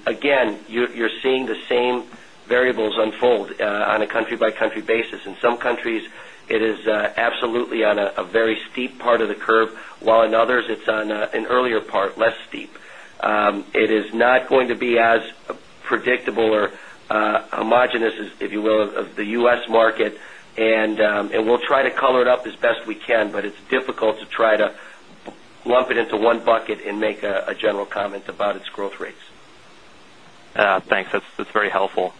again, you are seeing the same variables unfold on a by country basis. In some countries, it is absolutely on a very steep part of the curve. While in others, it's on an earlier part, less steep. It is not going to be as predictable or, homogeneous, if you will, of the U. S. Market and, and we'll try to color it up as best we can, but it's difficult to try to lump it into one bucket and make a a general comment about its growth rates. Thanks. That's very helpful.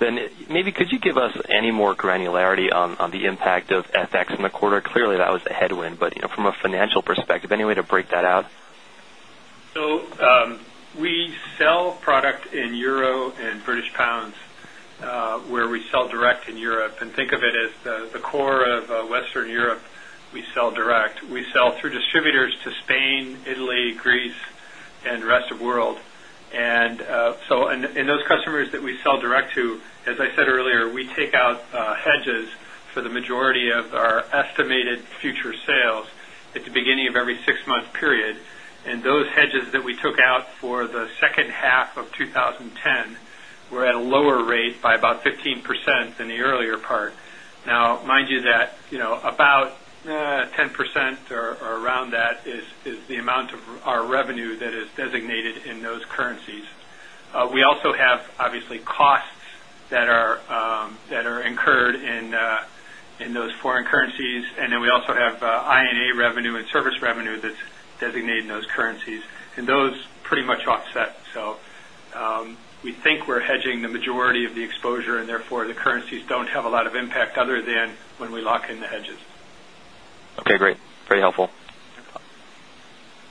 Then maybe could you give us any more granularity on the impact of FX in the quarter? Clearly, that was a headwind, but from a financial of any way to break that out? So, we sell product in Euro and British pounds. We we sell direct in Europe and think of it as the core of Western Europe, we sell direct, we sell through distributors to Italy, Greece and rest of world. And so in those customers that we sell direct to, as I say, earlier, we take out hedges for the majority of our estimated future sales at the beginning of every 6 month period and those edges that we took out for the second half of twenty ten were at a lower rate by about 15% than the earlier part. Remind you that about 10% or around that is the amount of our revenue that is designated in those currencies. We also have obviously costs that are, that are incurred in, in those foreign currencies and then we also have and A revenue and service revenue that's designated in those currencies and those pretty much offset. So we we're hedging the majority of the exposure. And therefore, the currencies don't have a lot of impact other than when we lock in the hedges. Okay. Great. Very helpful.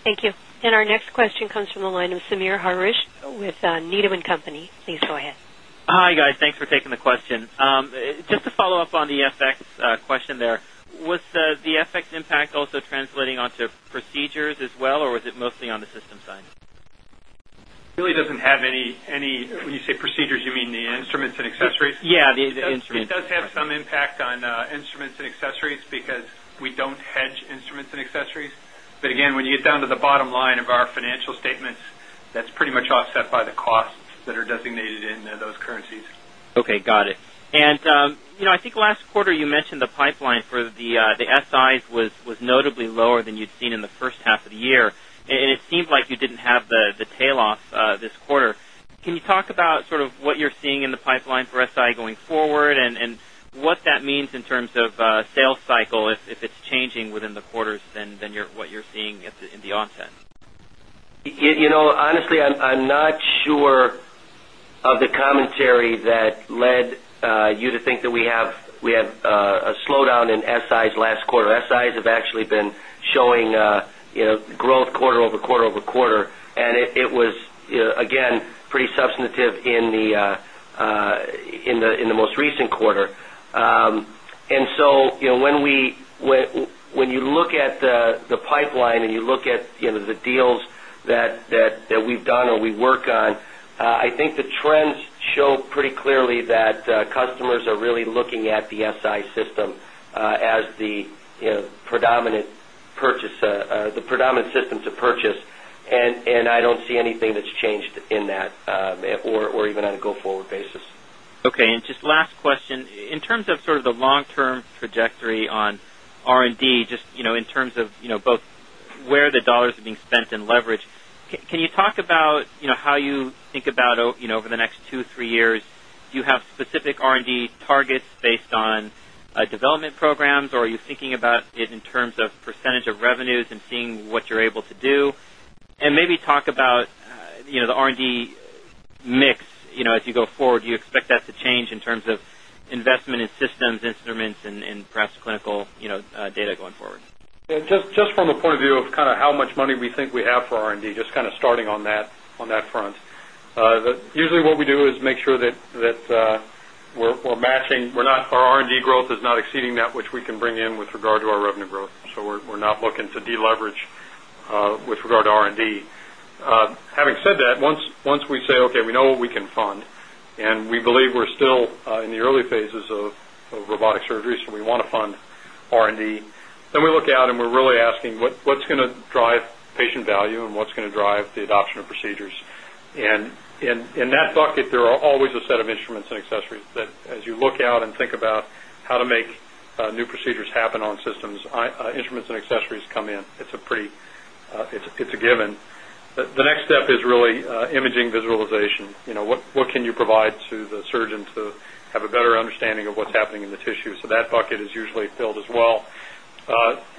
Thank you. And our next question comes from the line of Sameer Harish with Needham And Company. Please go ahead. Guys. Thanks for taking the question. Just to follow-up on the FX question there. Was the FX impact also translating onto procedures as well, or was it mostly on the system side? Really doesn't have any any, when you say procedures, you mean, the instruments and rate. Yeah. The the instruments. Does have some impact on, instruments and accessories because we don't hedge instruments and accessories. But again, when you to the bottom line of our financial statements that's pretty much offset by the costs that are designated in those currencies. Okay. Got it. And, last quarter, you mentioned the pipeline for the, the SIs was notably lower than you'd seen in the first half of the year. And it seems like you didn't have the tail off, this quarter, Can you talk about sort of what you're seeing in the pipeline for SI going forward and what that means in terms of, sales cycle if it's changing within the quarters than than your what you're seeing at the in the onset? You you know, honestly, I'm I'm not sure of commentary that led you to think that we have, we have a slowdown in SIs last quarter. SIs have actually been showing a growth over quarter over quarter and it was again pretty substantive in the, in the most recent quarter. And so, when you look at the pipeline and you look at the deals that we've on or we work on, I think the trends show pretty clearly that customers are really looking at the SI system as the predominant purchase, the predominant system to purchase and I don't see anything that's changed in that or or even on a go forward basis. Okay. And just last question, in terms of sort of the long term trajectory on R and D, just, you know, in terms of, you know, both where the dollars are being spent in leverage. Can you talk about, you know, how you think about, you know, over the next 2, 3 years? Do you have R and D targets based on, development programs or are you thinking about it in terms of percentage of revenues and seeing what you're able to do? Maybe talk about the R and D mix, as you go forward, do you expect that to change in terms of investment in systems, instruments, and perhaps clinical data going forward? Yes, just from the point of view of kind of how much money we think we have for R and D, just kind of starting on on that front. Usually what we do is make sure that that, we're we're matching. We're not our R and D growth is not exceeding that, which we can bring with regard to our revenue growth. So we're we're not looking to deleverage, with regard to R and D. Having said that, once once we say, okay, we know we can fund. And we believe we're still, in the early phases of robotics surgeries, and we wanna fund R and D. Then we look out and we're really asking what's going to drive patient value and what's going to drive the adoption of procedures and and and bucket, there are always a set of instruments and accessories that as you look out and think about how to make, new procedures happen on systems, instruments and accessories come in. It's a pretty, it's it's a given. The next step is really, imaging visualization. You know, what what can you provide the surgeon to have a better understanding of what's happening in the tissue. So that bucket is usually filled as well.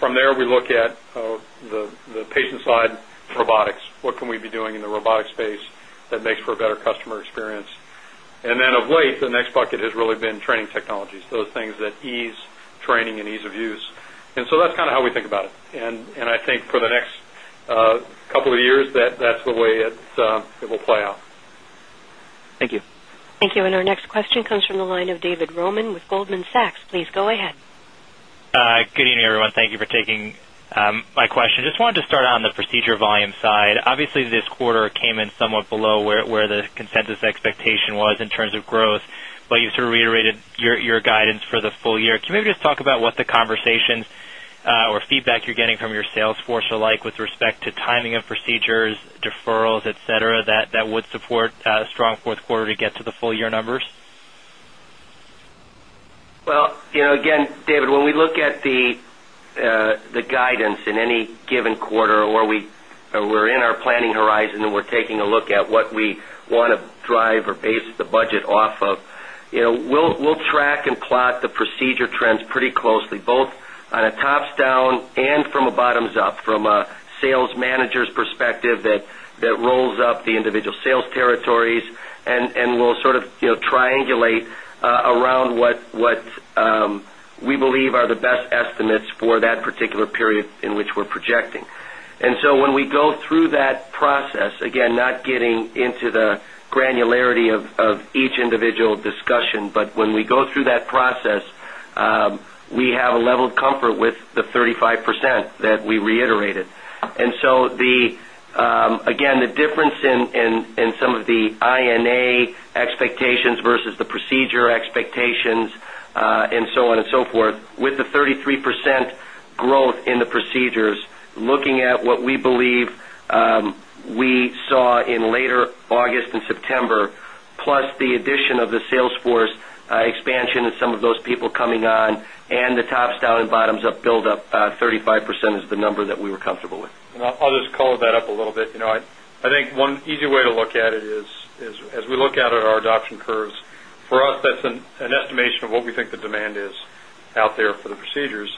From there, we look at the the patient side robotics, what can we be doing in the robotics space that makes for a better customer experience? And then of late, the next bucket has really been technologies, those things that ease training and ease of use. And so that's kinda how we think about it. And and I think for the next, of years that that's the way it's, it will play out. Thank you. Thank you. And our next question comes from the line of Roman with Goldman Sachs. Please go ahead. Good evening, everyone. Thank you for taking my question. Just wanted to start on the procedure volume side. Obviously, this quarter came in or below where the consensus expectation was in terms of growth, but you sort of reiterated your guidance for the full year. Can you just talk about what the conversations or feedback you're getting from your sales force are like with respect to timing of procedures, deferrals that say etcetera that would support a strong 4th quarter to get to the full year numbers? Well, David, when we look at the, the guidance in any given quarter where we are in our planning horizon taking a look at what we want to drive or base the budget off of, you know, we'll track and plot the procedure trends pretty closely, both on a tops down and from a bottoms up from a sales manager's perspective that rolls up the individual sales territory base and we will sort of triangulate around what we believe are the best estimates for that particular area in which we are projecting. And so when we go through that process, again, not getting into the granularity of each individual discussion but when we go through that process, we have a level of comfort with the 35% that we reiterated. And so the, again, the difference in some of the I and A expectations versus the procedure expectation and so on and so forth with the 33% growth in the procedures looking at what we believe, we saw in later August September plus the addition of the sales force expansion of some of those people coming on and the tops down and bottoms up build up 35% is the number that we were comfortable with. And I'll just call that up a little bit. You know, I think one easy way to look at it is, as we look out at our occurs. For us, that's an estimation of what we think the demand is out there for the procedures.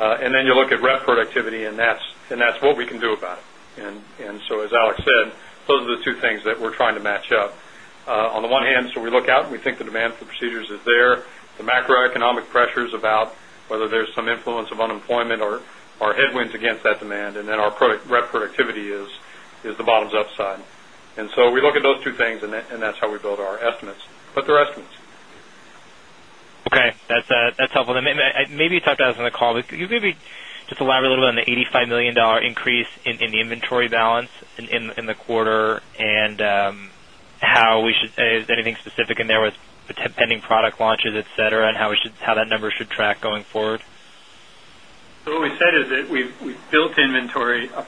And then you look at productivity, and that's and that's what we can do about it. And and so as Alex said, those are the two things that we're trying to match up. On the one hand, so we look out and we think the demand for procedures is there. The macroeconomic pressures about whether there's some influence of unemployment or headwinds against that demand and then our rep productivity is is the bottoms upside. And so we look at those 2 things and that and that's how we build our estimates, but they're estimates. Okay. That's that's And maybe you talked to us on the call, but could you maybe just elaborate a little bit on the $85,000,000 increase in in the inventory balance in in in the quarter and, how we should is anything specific in there with the pending product launches, etcetera, and how we should how that number should track going forward? So we is that we've built inventory a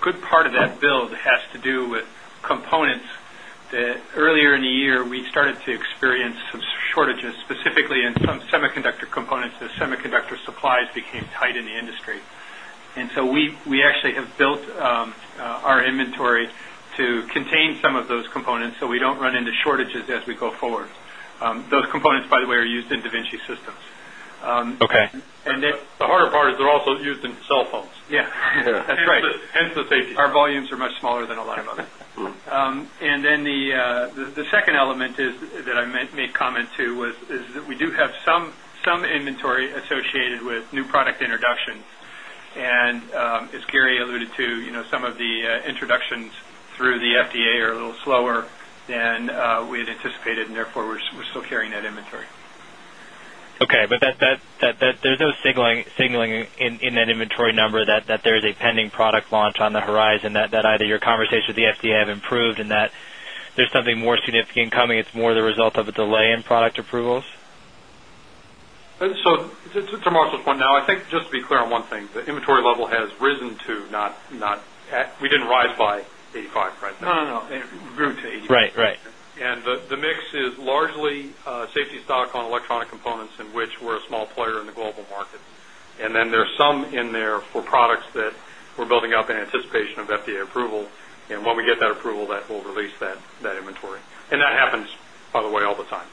good part of that build has to do with components that earlier in the year reached to experience some shortages specifically in some semiconductor components as semiconductor supplies became tight in the industry. And so we we actually have by the way, are used in da Vinci systems. Okay. And then the harder part is they're also used in cell phones. Yeah. That's right. Volumes are much smaller than a lot of us. And then the, the second element is, that I made comment to was, is that we do have some, some inventory associated with new product introductions. And as Gary alluded to, you know, some of the introductions through the FDA are a little slower than we had anticipated, and therefore, we're we're still hearing that inventory. Okay. But that that that that there's no signaling signaling in in that Tory number that there is a pending product launch on the horizon that either your conversations with the FDA have improved and that there's something more significant coming. It's more the result of lay in product approvals? So to to Marshall's point, now I think just to be clear on one thing, the inventory level has risen to not not at we didn't write by 85, right now? No. No. It grew to 80. Right. Right. And the the mix is largely, safety stock on product components in which we're a small player in the global market. And then there's some in there for products that we're building up in anticipation of FDA approval. And when we get that approval, will release that that inventory. And that happens, by the way, all the time.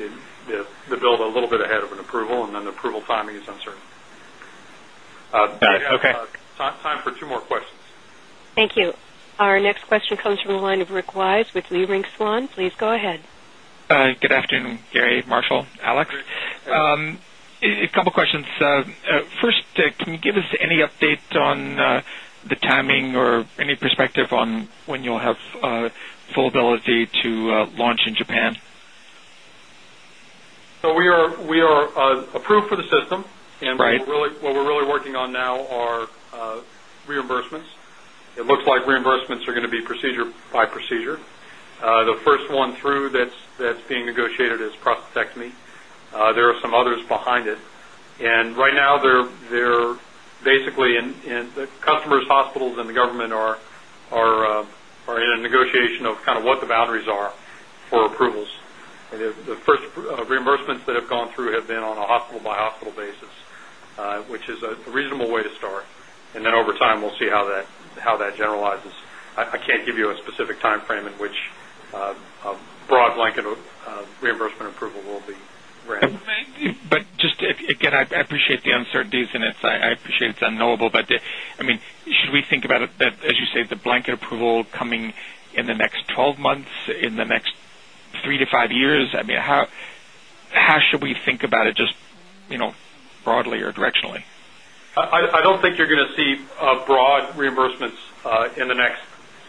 In the the bill a little bit ahead of an approval and then timing is uncertain. Time for 2 more questions. Thank you. Our next question from the line of Rick Wise with Leerink Swan. Please go ahead. Questions. First, can you give us any update on the timing or any perspective on when you'll have full ability to, launch in Japan? So we are we are, approved for the system and Right. Really what really working on now are, reimbursements. It looks like reimbursements are going to be procedure by procedure. The first one through that's that's negotiated as prostatectomy. There are some others behind it. And right now, they're they're basically in in the customers, hospitals, and the government are are, are in a negotiation of kind of what the boundaries are for approvals. And the the first reimbursements that have gone through have been on a hospital by hospital basis, which is a reasonable way to start. And then over time, we'll see how that how that generalizes. I I can give you a specific time frame at which a broad blanket of reimbursement approval will be ran. The uncertainties and it's, I appreciate it's unknowable, but I mean, should we think about it that, as you said, the blanket approval coming in the next 12 months in the next 3 to 5 years? I mean, how should we think about it just for layered directionally? I don't think you're going to see a broad reimbursements, in the next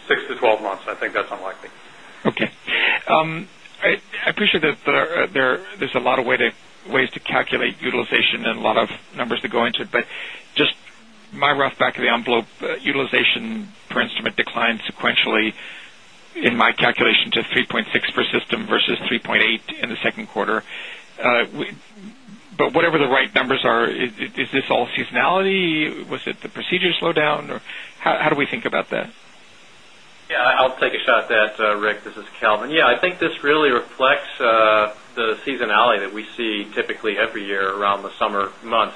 6 to 12 months. I think that's unlikely. I appreciate that there's a lot of ways to calculate utilization and a lot of numbers to go into, but just rough back of the envelope utilization per instrument declined sequentially in my calculation to 3.6 per system versus 3 late in the second quarter. But whatever the right numbers are, is this all seasonality? Was it the procedure slowdown or how we think about that? Yes, I'll take a shot at that, Rick. This is Calvin. Yes, I think this really reflects the seasonality that we see typically every year around the summer months,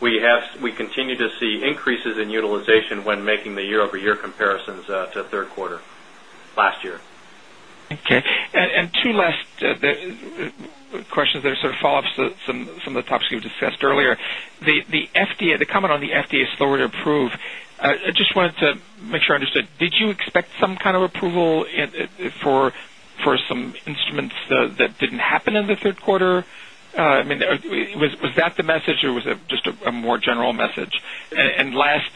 we have we continue to see increases in utilization when making the over year comparisons to third quarter last year. Okay. And two last questions, there are sort of follow ups that some of the topics you've discussed earlier, the FDA, the comment on the FDA is slower to approve. I just wanted to make sure I understood, did you expect some approval for some instruments that didn't happen in the third quarter? I mean, was that the message or was it just a more general message. And last,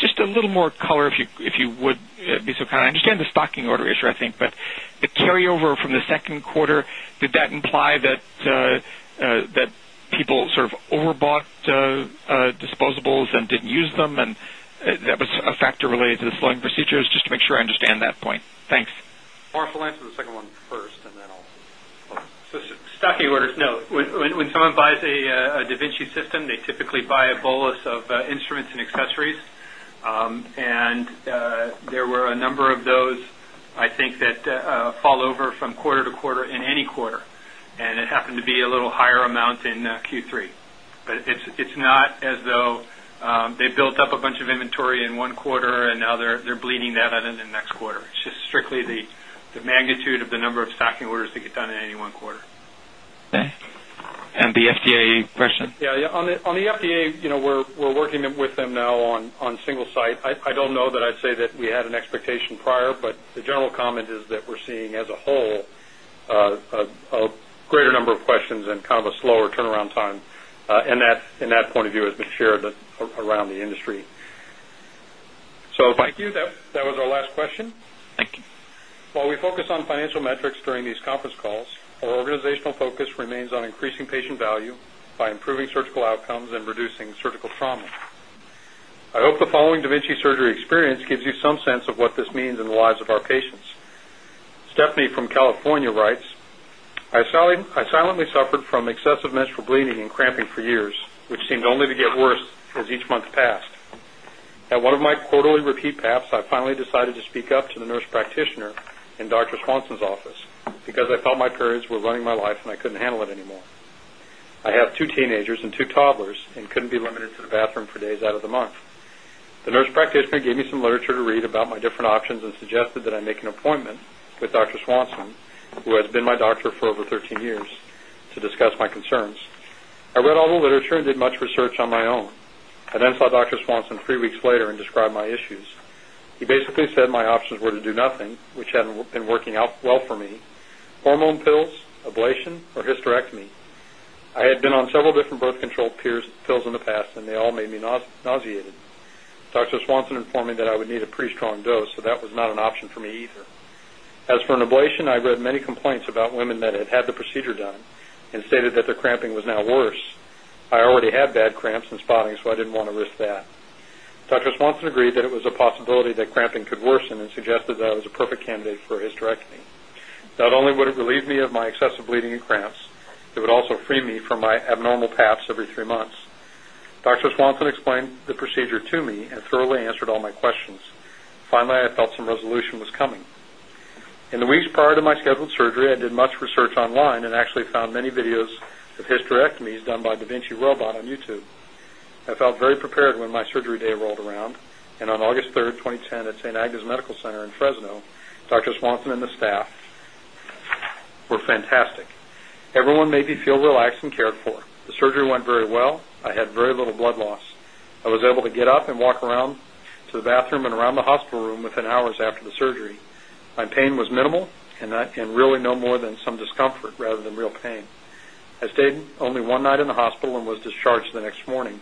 just a little more color if you would be so kind. I understand the stocking order issue, I think, but the carryover from the second quarter, did that imply that people sort of overbought disposables didn't use them? And that was a factor related to the slowing procedures, just to make sure I understand that point. Thanks. When someone buys a da Vinci system, they typically buy a bolus of instruments and accessories. And, there were a number of those, I think that, fall over from quarter to quarter in any quarter. And it happened to be a little higher amount in Q3. But it's not as though, they've built up a bunch of inventory in 1 quarter and now they're bleeding that out into next quarter. Strictly the the magnitude of the number of stocking orders to get done in any one quarter. K. And the FDA Yes, on the FDA, we're working with them now on single site. I don't know that I'd say that we had an expectation prior, but the general comment is that we're seeing as a whole, a greater number of questions and kind of a slower turnaround time. And that, in that point of view has been shared around the industry. So thank you. That was our last question. Thank you. While we focus on financial metrics during these conference calls, our organizational focus remains on increasing patient value by improving surgical outcomes and reducing surgical trauma. Vinci surgery experience gives you some sense of what this means in the lives of our patients. Stephanie from California writes, I silent I silently suffer from excessive menstrual bleeding and cramping for years, which seemed only to get worse as each month passed. At one of my quarterly repeat apps, I finally decided to speak up to the nurse practitioner in Doctor. Swanson's office because I felt my periods were running my life and I couldn't handle it anymore. I have 2 teenagers in new toddlers and couldn't be limited to the bathroom for days out of the month. The nurse practitioner gave me some literature to read about my different options and suggested that I make an appointment, which Doctor. Swanson who has been my doctor for over 13 years to discuss my concerns. I read all the literature and did much search on my own. I then saw doctor Swanson 3 weeks later and described my issues. He basically said my options were to do nothing, which been working out well for me, hormone pills, ablation, or hysterectomy. I had been on several different birth control piers pills in and they all made me no nauseated. Doctor Swanson informed me that I would need a pretty strong dose, so that was not an option for me either. As for an ablation, I read many complaints about women that had had the procedure done and stated that the cramping was now worse. I already had bad cramps in spotting, so I didn't wanna risk that. I response and agreed that it was a possibility that cramping could worsen and suggested that it was a perfect candidate for his direct knee. Not only would it relieve of my excessive bleeding and cramps. It would also free me from my abnormal paths every 3 months. Doctor Swanson explained the procedure to me and thoroughly answered all questions. Finally, I felt some resolution was coming. In the weeks prior to my scheduled surgery, I did much research online and actually found many videos of hysterectomy done Davinci Robot on YouTube. I felt very prepared when my surgery day rolled around, and on August 3 2010 at St. Agnes Medical Center in Fresno, Doctor. Swanson and the staff were fantastic. Everyone made me feel relaxed and cared for this surgery went very well. I had very little blood loss. I was able to get up and walk around to the bathroom and around the hospital room within hours after the surgery. My pain was minimal and I and really no more than some discomfort rather than real pain. I stayed only one night in hospital and was discharged the next morning.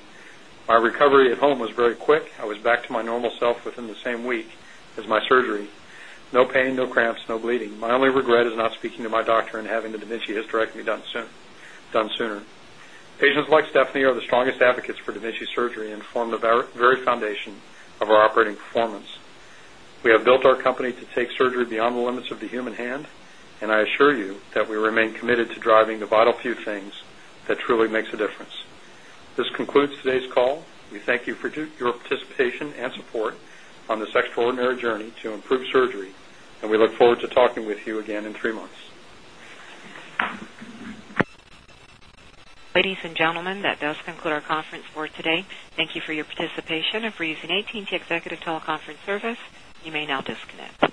My recovery at home was very quick. I was back to my normal self within the same week as my surgery. No pain, no cramps, no bleeding, minor Gret is not speaking to my doctor and having the dementia hysterectomy done soon done sooner. Patients like Stephanie are the strongest advocates for and formed the very foundation of our operating performance. We have built our company to take surgery beyond the limits of the human hand, and I assure you that we remain committed to driving the bottle few things that truly makes a difference. This concludes today's call. We thank you for your participation and support on this extraordinary journey to improve surgery and we look forward to with you again in today. Thank you for your participation and for using AT and T Executive Teleconference Service. You may now disconnect.